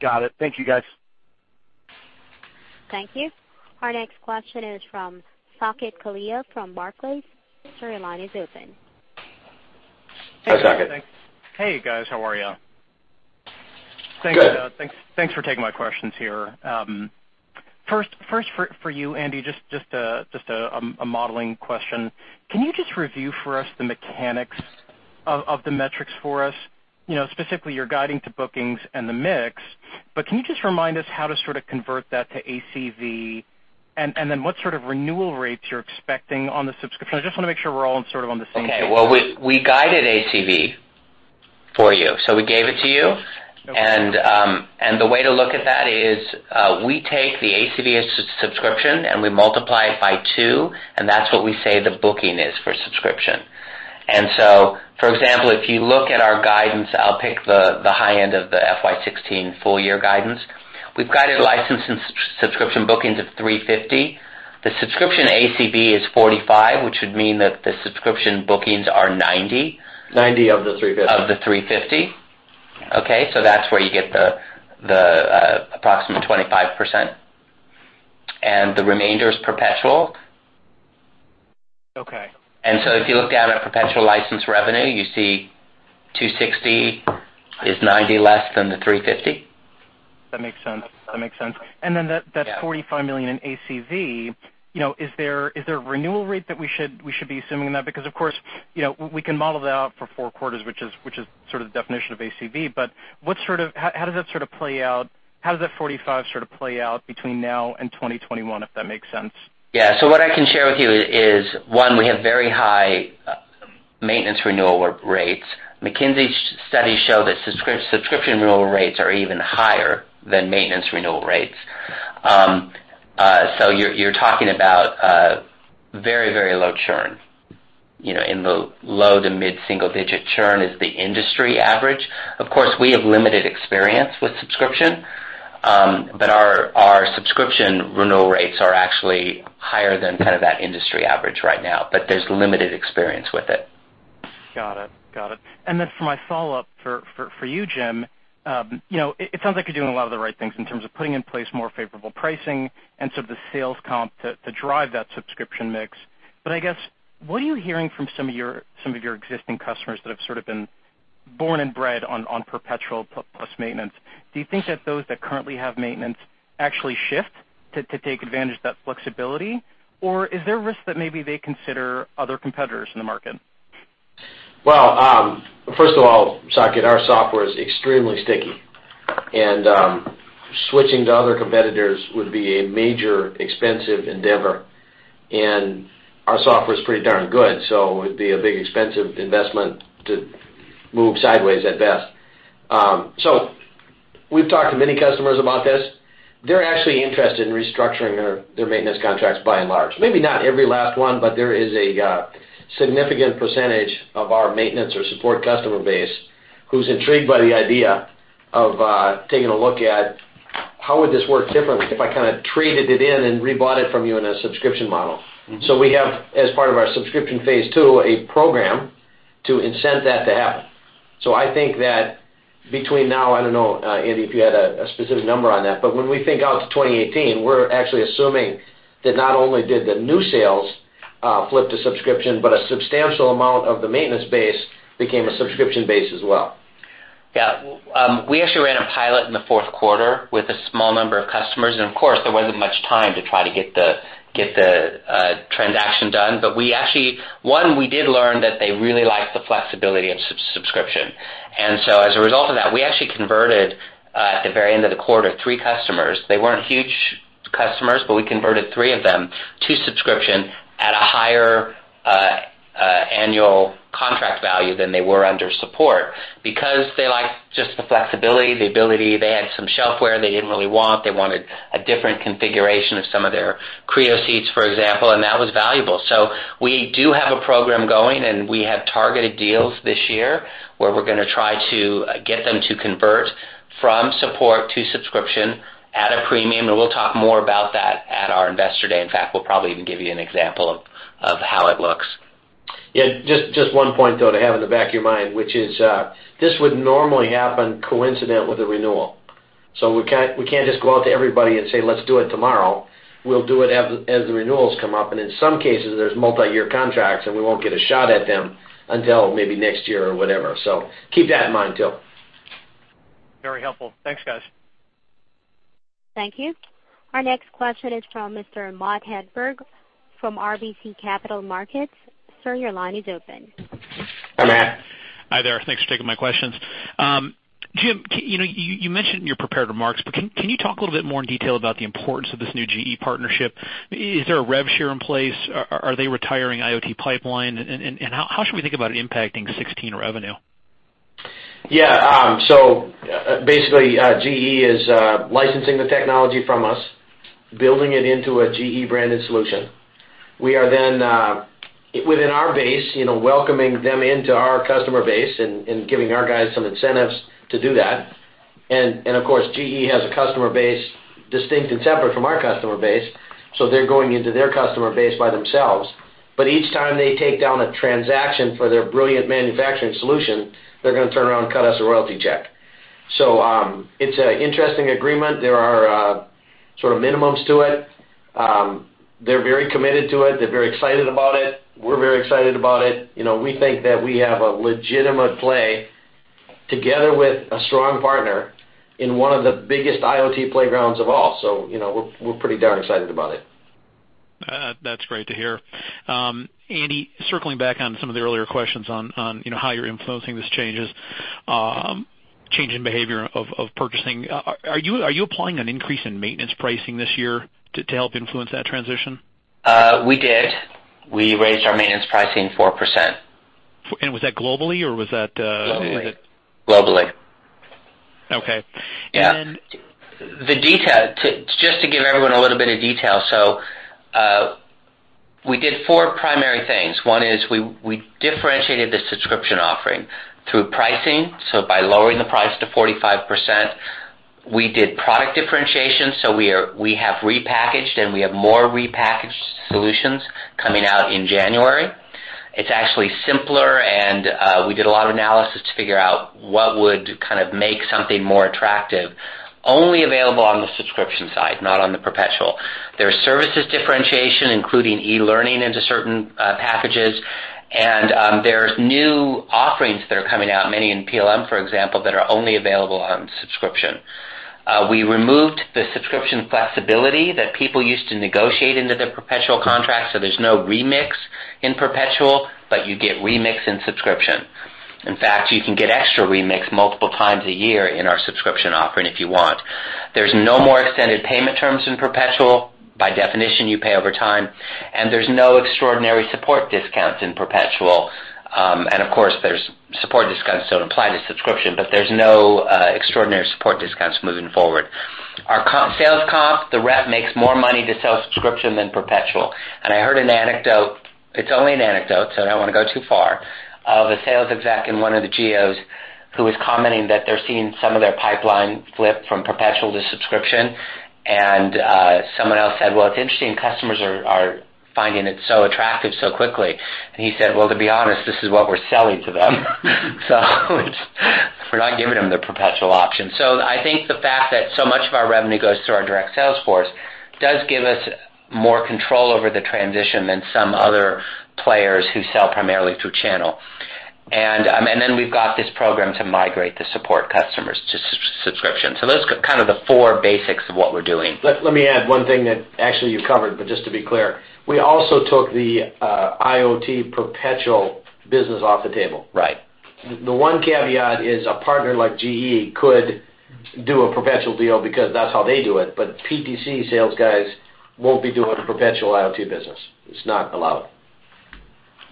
Got it. Thank you guys. Thank you. Our next question is from Saket Kalia from Barclays. Sir, your line is open. Hi, Saket. Hey, guys. How are you? Good. Thanks for taking my questions here. First for you, Andy, just a modeling question. Can you just review for us the mechanics of the metrics for us, specifically your guiding to bookings and the mix. Can you just remind us how to sort of convert that to ACV, and then what sort of renewal rates you're expecting on the subscription? I just want to make sure we're all on the same page. Okay. Well, we guided ACV for you, so we gave it to you. The way to look at that is we take the ACV as subscription, and we multiply it by two, and that's what we say the booking is for subscription. For example, if you look at our guidance, I'll pick the high end of the FY 2016 full year guidance. We've guided license and subscription bookings of 350. The subscription ACV is 45, which would mean that the subscription bookings are 90. $90 of the $350. Of the $350. That's where you get the approximate 25%. The remainder is perpetual. Okay. If you look down at perpetual license revenue, you see $260 is $90 less than the $350. That makes sense. Yeah $45 million in ACV. Is there a renewal rate that we should be assuming in that? Of course, we can model it out for four quarters, which is sort of the definition of ACV, but how does that play out? How does that 45 sort of play out between now and 2021, if that makes sense? What I can share with you is, one, we have very high maintenance renewal rates. McKinsey & Company studies show that subscription renewal rates are even higher than maintenance renewal rates. You're talking about very low churn. In the low to mid-single digit churn is the industry average. Of course, we have limited experience with subscription. Our subscription renewal rates are actually higher than kind of that industry average right now, but there's limited experience with it. Got it. For my follow-up for you, Jim, it sounds like you're doing a lot of the right things in terms of putting in place more favorable pricing and some of the sales comp to drive that subscription mix. I guess, what are you hearing from some of your existing customers that have sort of been born and bred on perpetual plus maintenance? Do you think that those that currently have maintenance actually shift to take advantage of that flexibility? Or is there a risk that maybe they consider other competitors in the market? First of all, Saket, our software is extremely sticky, and switching to other competitors would be a major expensive endeavor. Our software is pretty darn good, so it'd be a big, expensive investment to move sideways at best. We've talked to many customers about this. They're actually interested in restructuring their maintenance contracts by and large. Maybe not every last one, but there is a significant percentage of our maintenance or support customer base who's intrigued by the idea of taking a look at how would this work differently if I kind of traded it in and rebought it from you in a subscription model. We have, as part of our subscription phase 2, a program to incent that to happen. I think that between now, I don't know, Andy, if you had a specific number on that, but when we think out to 2018, we're actually assuming that not only did the new sales flip to subscription, but a substantial amount of the maintenance base became a subscription base as well. Yeah. We actually ran a pilot in the fourth quarter with a small number of customers, and of course, there wasn't much time to try to get the transaction done. We actually, one, we did learn that they really like the flexibility of subscription. As a result of that, we actually converted, at the very end of the quarter, three customers. They weren't huge customers, but we converted three of them to subscription at a higher annual contract value than they were under support because they liked just the flexibility, the ability. They had some shelfware they didn't really want. They wanted a different configuration of some of their Creo seats, for example, and that was valuable. We do have a program going, and we have targeted deals this year where we're going to try to get them to convert from support to subscription at a premium, and we'll talk more about that at our Investor Day. In fact, we'll probably even give you an example of how it looks. Yeah, just one point, though, to have in the back of your mind, which is this would normally happen coincident with a renewal. We can't just go out to everybody and say, "Let's do it tomorrow." We'll do it as the renewals come up, and in some cases, there's multi-year contracts, and we won't get a shot at them until maybe next year or whatever. Keep that in mind, too. Very helpful. Thanks, guys. Thank you. Our next question is from Mr. Matthew Hedberg from RBC Capital Markets. Sir, your line is open. Hi, Matt. Hi there. Thanks for taking my questions. Jim, you mentioned in your prepared remarks, but can you talk a little bit more in detail about the importance of this new GE partnership? Is there a rev share in place? Are they retiring IoT pipeline? How should we think about it impacting 2016 revenue? Yeah. Basically, GE is licensing the technology from us, building it into a GE-branded solution. We are then, within our base, welcoming them into our customer base and giving our guys some incentives to do that. Of course, GE has a customer base distinct and separate from our customer base, so they're going into their customer base by themselves. Each time they take down a transaction for their Brilliant Manufacturing solution, they're going to turn around and cut us a royalty check. It's an interesting agreement. There are sort of minimums to it. They're very committed to it. They're very excited about it. We're very excited about it. We think that we have a legitimate play together with a strong partner in one of the biggest IoT playgrounds of all. We're pretty darn excited about it. That's great to hear. Andy, circling back on some of the earlier questions on how you're influencing these changes, change in behavior of purchasing. Are you applying an increase in maintenance pricing this year to help influence that transition? We did. We raised our maintenance pricing 4%. Was that globally, or was that? Globally. Okay. Just to give everyone a little bit of detail. We did four primary things. One, we differentiated the subscription offering through pricing. By lowering the price to 45%. We did product differentiation. We have repackaged, and we have more repackaged solutions coming out in January. It's actually simpler. We did a lot of analysis to figure out what would kind of make something more attractive, only available on the subscription side, not on the perpetual. There's services differentiation, including e-learning into certain packages. There's new offerings that are coming out, many in PLM, for example, that are only available on subscription. We removed the subscription flexibility that people used to negotiate into their perpetual contract. There's no remix in perpetual, but you get remix in subscription. In fact, you can get extra remix multiple times a year in our subscription offering if you want. There's no more extended payment terms in perpetual. By definition, you pay over time. There's no extraordinary support discounts in perpetual. Of course, support discounts don't apply to subscription, but there's no extraordinary support discounts moving forward. Our sales comp. The rep makes more money to sell subscription than perpetual. I heard an anecdote, it's only an anecdote, so I don't want to go too far, of a sales exec in one of the GOs who was commenting that they're seeing some of their pipeline flip from perpetual to subscription. Someone else said, "Well, it's interesting. Customers are finding it so attractive so quickly." He said, "Well, to be honest, this is what we're selling to them." We're not giving them the perpetual option. I think the fact that so much of our revenue goes through our direct sales force does give us more control over the transition than some other players who sell primarily through channel. We've got this program to migrate the support customers to subscription. Those are kind of the four basics of what we're doing. Let me add one thing that actually you covered, but just to be clear. We also took the IoT perpetual business off the table. Right. The one caveat is a partner like GE could do a perpetual deal because that's how they do it, but PTC sales guys won't be doing perpetual IoT business. It's not allowed.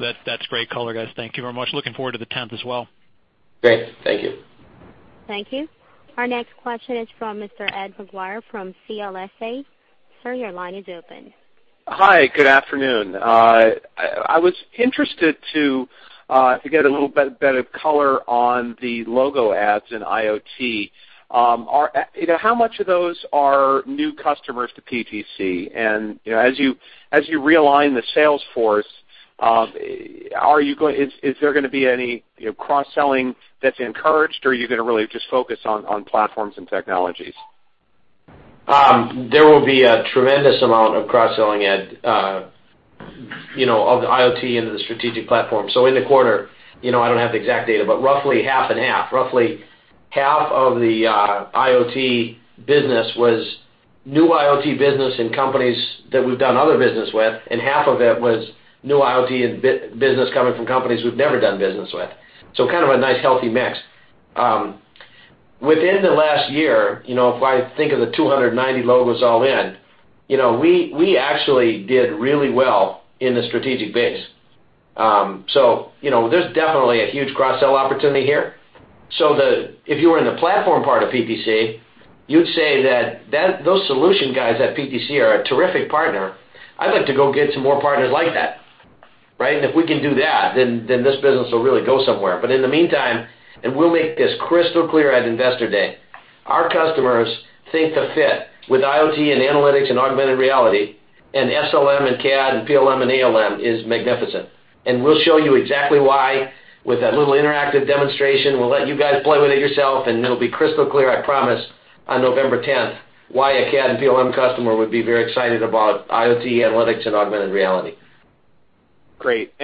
That's great color, guys. Thank you very much. Looking forward to the 10th as well. Great. Thank you. Thank you. Our next question is from Ed Maguire from CLSA. Sir, your line is open. Hi, good afternoon. I was interested to get a little bit of color on the logo adds in IoT. How much of those are new customers to PTC? As you realign the sales force, is there going to be any cross-selling that's encouraged, or are you going to really just focus on platforms and technologies? There will be a tremendous amount of cross-selling, Ed, of IoT into the strategic platform. In the quarter, I don't have the exact data, but roughly half and half. Roughly half of the IoT business was new IoT business in companies that we've done other business with, and half of it was new IoT business coming from companies we've never done business with. Kind of a nice, healthy mix. Within the last year, if I think of the 290 logos all in, we actually did really well in the strategic base. There's definitely a huge cross-sell opportunity here. If you were in the platform part of PTC, you'd say that those solution guys at PTC are a terrific partner. I'd like to go get some more partners like that, right? If we can do that, then this business will really go somewhere. In the meantime, and we'll make this crystal clear at Investor Day, our customers think the fit with IoT and analytics and augmented reality and SLM and CAD and PLM and ALM is magnificent. We'll show you exactly why with a little interactive demonstration. We'll let you guys play with it yourself, and it'll be crystal clear, I promise, on November 10th, why a CAD and PLM customer would be very excited about IoT, analytics, and augmented reality. Great.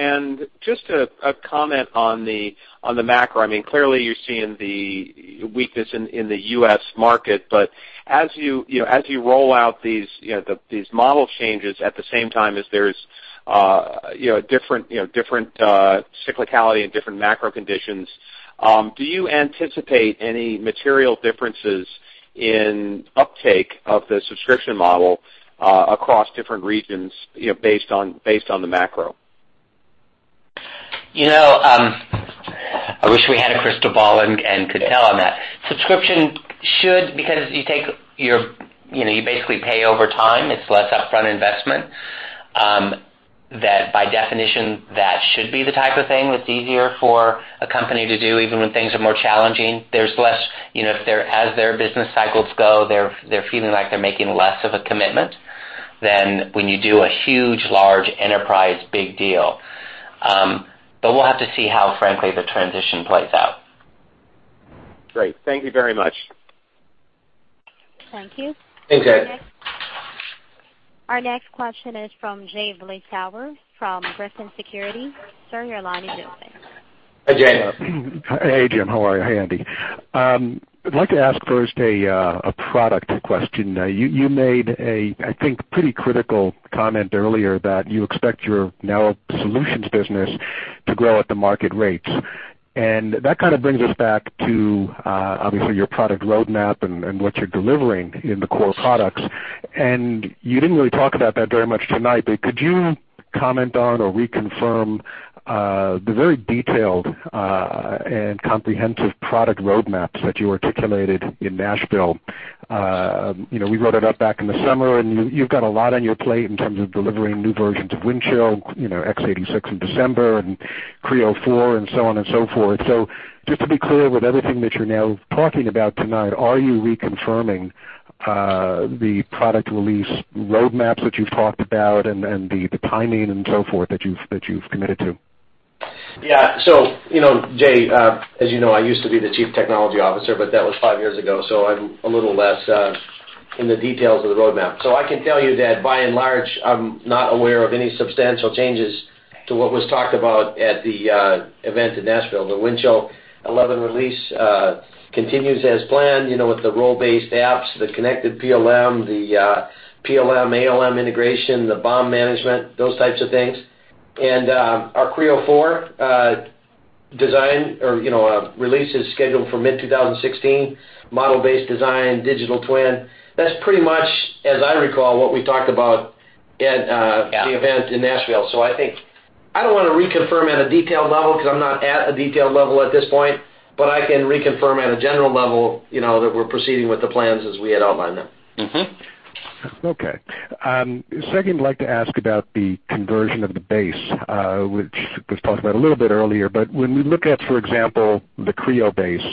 Just a comment on the macro. Clearly you're seeing the weakness in the U.S. market, but as you roll out these model changes at the same time as there's different cyclicality and different macro conditions, do you anticipate any material differences in uptake of the subscription model across different regions based on the macro? I wish we had a crystal ball and could tell on that. Subscription should, because you basically pay over time, it's less upfront investment, that by definition, that should be the type of thing that's easier for a company to do, even when things are more challenging. As their business cycles go, they're feeling like they're making less of a commitment than when you do a huge, large enterprise, big deal. We'll have to see how, frankly, the transition plays out. Great. Thank you very much. Thank you. Thanks, Ed. Our next question is from Jay Vleeschhouwer, from Griffin Securities. Sir, your line is open. Hi, Jay. Hey, Jim. How are you? Andy. I'd like to ask first a product question. You made a, I think, pretty critical comment earlier that you expect your [core] solutions business to grow at the market rates. That kind of brings us back to, obviously, your product roadmap and what you're delivering in the core products. You didn't really talk about that very much tonight, but could you comment on or reconfirm the very detailed and comprehensive product roadmaps that you articulated in Nashville? We wrote it up back in the summer, and you've got a lot on your plate in terms of delivering new versions of Windchill, x86 in December, and Creo 4.0, and so on and so forth. Just to be clear, with everything that you're now talking about tonight, are you reconfirming the product release roadmaps that you've talked about and the timing and so forth that you've committed to? Yeah. Jay, as you know, I used to be the Chief Technology Officer, but that was five years ago, so I'm a little less in the details of the roadmap. I can tell you that by and large, I'm not aware of any substantial changes to what was talked about at the event in Nashville. The Windchill 11 release continues as planned, with the role-based apps, the connected PLM, the PLM/ALM integration, the BOM management, those types of things. Our Creo 4.0 release is scheduled for mid-2016. Model-based design, digital twin. That's pretty much, as I recall, what we talked about at- Yeah the event in Nashville. I don't want to reconfirm at a detailed level because I'm not at a detailed level at this point, but I can reconfirm at a general level, that we're proceeding with the plans as we had outlined them. Mm-hmm. Okay. Second, I'd like to ask about the conversion of the base, which was talked about a little bit earlier. When we look at, for example, the Creo base,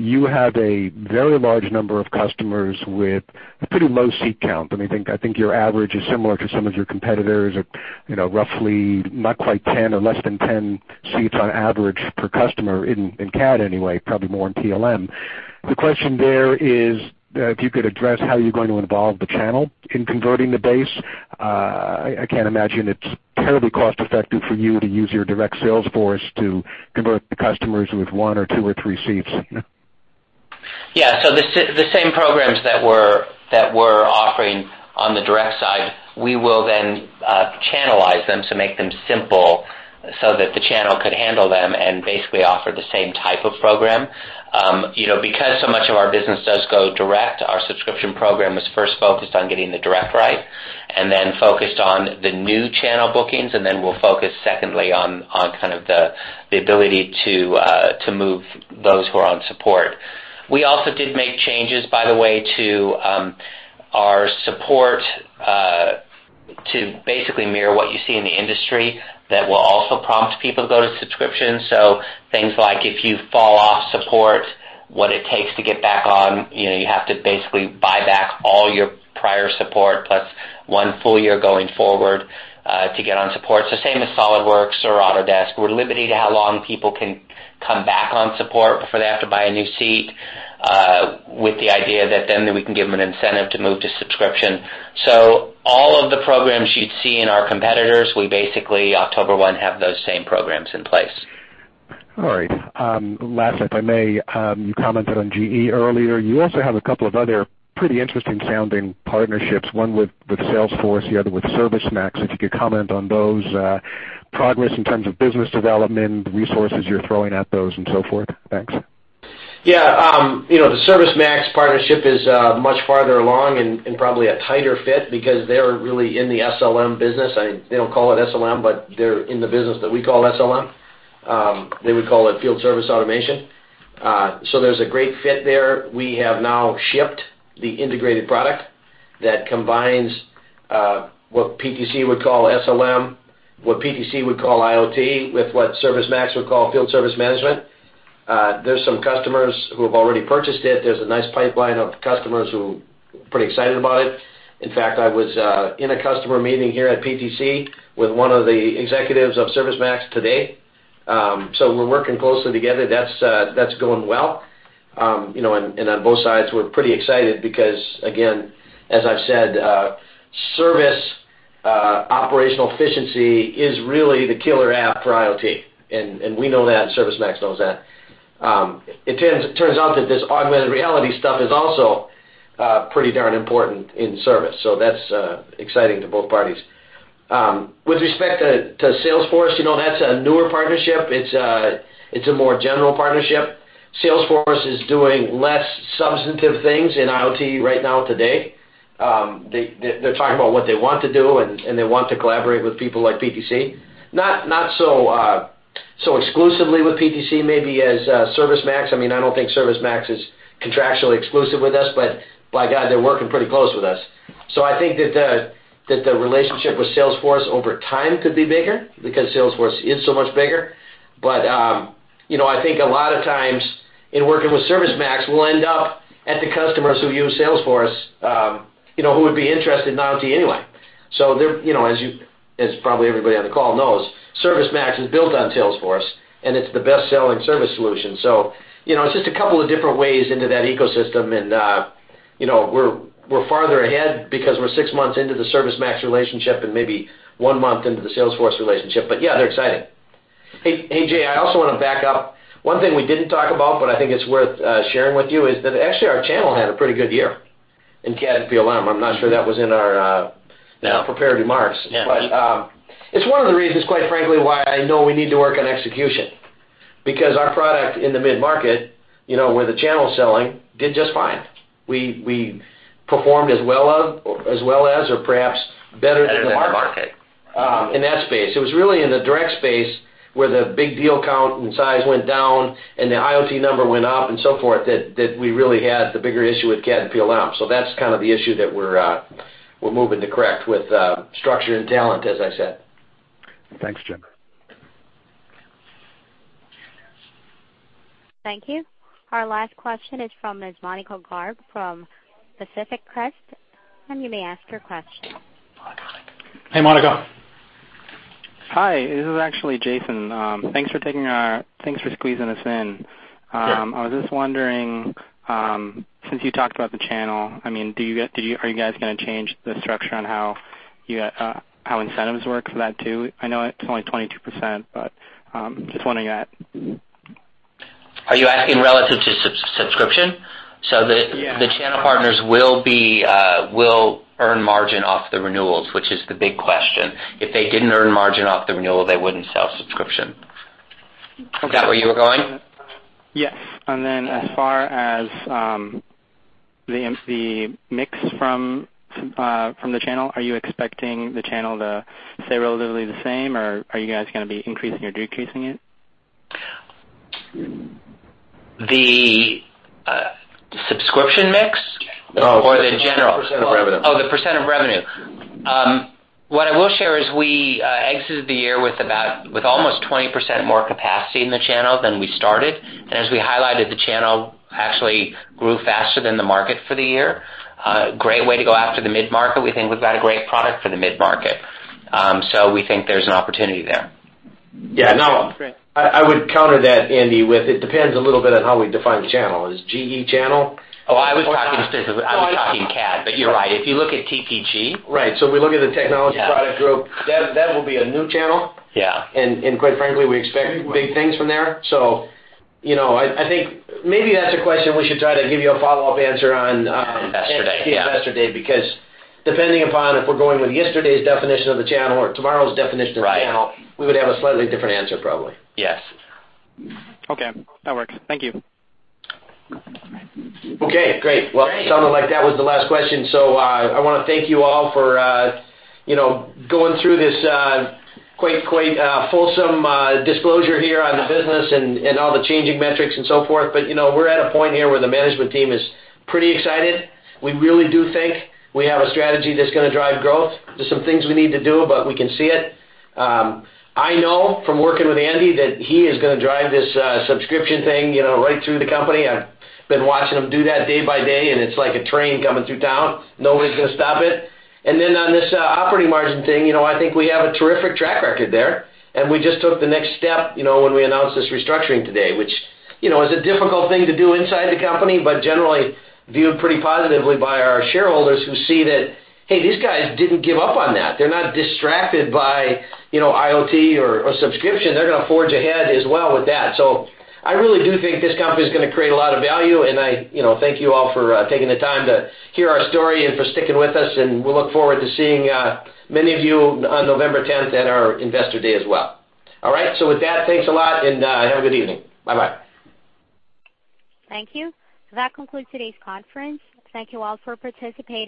you have a very large number of customers with pretty low seat count. I think your average is similar to some of your competitors at roughly not quite 10 or less than 10 seats on average per customer in CAD anyway, probably more in PLM. The question there is, if you could address how you're going to involve the channel in converting the base. I can't imagine it's terribly cost-effective for you to use your direct sales force to convert the customers with one or two or three seats. Yeah. The same programs that we're offering on the direct side, we will then channelize them to make them simple so that the channel could handle them and basically offer the same type of program. Because so much of our business does go direct, our subscription program was first focused on getting the direct right, and then focused on the new channel bookings, and then we'll focus secondly on kind of the ability to move those who are on support. We also did make changes, by the way, to our support to basically mirror what you see in the industry that will also prompt people to go to subscription. Things like if you fall off support, what it takes to get back on, you have to basically buy back all your prior support, plus one full year going forward, to get on support. Same as SOLIDWORKS or Autodesk. We're limiting how long people can come back on support before they have to buy a new seat, with the idea that then we can give them an incentive to move to subscription. All of the programs you'd see in our competitors, we basically, October 1, have those same programs in place. All right. Last, if I may, you commented on GE earlier. You also have a couple of other pretty interesting sounding partnerships, one with Salesforce, the other with ServiceMax. If you could comment on those, progress in terms of business development, the resources you're throwing at those, and so forth. Thanks. Yeah. The ServiceMax partnership is much farther along and probably a tighter fit because they're really in the SLM business. They don't call it SLM, but they're in the business that we call SLM. They would call it field service automation. There's a great fit there. We have now shipped the integrated product that combines what PTC would call SLM, what PTC would call IoT, with what ServiceMax would call field service management. There's some customers who have already purchased it. There's a nice pipeline of customers who are pretty excited about it. In fact, I was in a customer meeting here at PTC with one of the executives of ServiceMax today. We're working closely together. That's going well. On both sides, we're pretty excited because again, as I've said, service operational efficiency is really the killer app for IoT. We know that, and ServiceMax knows that. It turns out that this augmented reality stuff is also pretty darn important in service, so that's exciting to both parties. With respect to Salesforce, that's a newer partnership. It's a more general partnership. Salesforce is doing less substantive things in IoT right now today. They're talking about what they want to do, and they want to collaborate with people like PTC. Not so exclusively with PTC, maybe as ServiceMax. I don't think ServiceMax is contractually exclusive with us, but by God, they're working pretty close with us. I think that the relationship with Salesforce over time could be bigger because Salesforce is so much bigger. I think a lot of times in working with ServiceMax, we'll end up at the customers who use Salesforce, who would be interested in IoT anyway. As probably everybody on the call knows, ServiceMax is built on Salesforce, and it's the best-selling service solution. It's just a couple of different ways into that ecosystem, and we're farther ahead because we're six months into the ServiceMax relationship and maybe one month into the Salesforce relationship. Yeah, they're excited. Hey, Jay, I also want to back up. One thing we didn't talk about, but I think it's worth sharing with you, is that actually our channel had a pretty good year in CAD and PLM. I'm not sure that was in our- No prepared remarks. Yeah. It's one of the reasons, quite frankly, why I know we need to work on execution, because our product in the mid-market, where the channel's selling, did just fine. We performed as well as, or perhaps better than- Better than our market in that space. It was really in the direct space where the big deal count and size went down, and the IoT number went up and so forth, that we really had the bigger issue with CAD and PLM. That's kind of the issue that we're moving to correct with structure and talent, as I said. Thanks, Jim. Thank you. Our last question is from Ms. Monika Garg from Pacific Crest. You may ask your question. Monika. Hey, Monika. Hi, this is actually Jason. Thanks for squeezing us in. Sure. I was just wondering, since you talked about the channel, are you guys gonna change the structure on how incentives work for that, too? I know it's only 22%, but just wondering that. Are you asking relative to subscription? Yeah. The channel partners will earn margin off the renewals, which is the big question. If they didn't earn margin off the renewal, they wouldn't sell subscription. Okay. Is that where you were going? Yes. As far as the mix from the channel, are you expecting the channel to stay relatively the same, or are you guys going to be increasing or decreasing it? The subscription mix or the general? Percent of revenue. Oh, the percent of revenue. What I will share is we exited the year with almost 20% more capacity in the channel than we started. As we highlighted, the channel actually grew faster than the market for the year. A great way to go after the mid-market. We think we've got a great product for the mid-market. We think there's an opportunity there. Yeah. No, I would counter that, Andy, with it depends a little bit on how we define the channel. Is GE channel? Oh, I was talking CAD. You're right. If you look at TPG. Right. We look at the Technology Platform Group. Yeah. That will be a new channel. Yeah. Quite frankly, we expect big things from there. I think maybe that's a question we should try to give you a follow-up answer on. Investor Day, yeah. at the Investor Day, because depending upon if we're going with yesterday's definition of the channel or tomorrow's definition of the channel- Right we would have a slightly different answer, probably. Yes. Okay, that works. Thank you. Well, it sounded like that was the last question. I want to thank you all for going through this quite fulsome disclosure here on the business and all the changing metrics and so forth. We're at a point here where the management team is pretty excited. We really do think we have a strategy that's gonna drive growth. There's some things we need to do, but we can see it. I know from working with Andy that he is gonna drive this subscription thing right through the company. I've been watching him do that day by day, and it's like a train coming through town. Nobody's gonna stop it. On this operating margin thing, I think we have a terrific track record there, we just took the next step when we announced this restructuring today, which is a difficult thing to do inside the company, but generally viewed pretty positively by our shareholders who see that, hey, these guys didn't give up on that. They're not distracted by IoT or subscription. They're gonna forge ahead as well with that. I really do think this company's gonna create a lot of value, I thank you all for taking the time to hear our story and for sticking with us, we'll look forward to seeing many of you on November 10th at our Investor Day as well. All right? With that, thanks a lot, and have a good evening. Bye-bye. Thank you. That concludes today's conference. Thank you all for participating.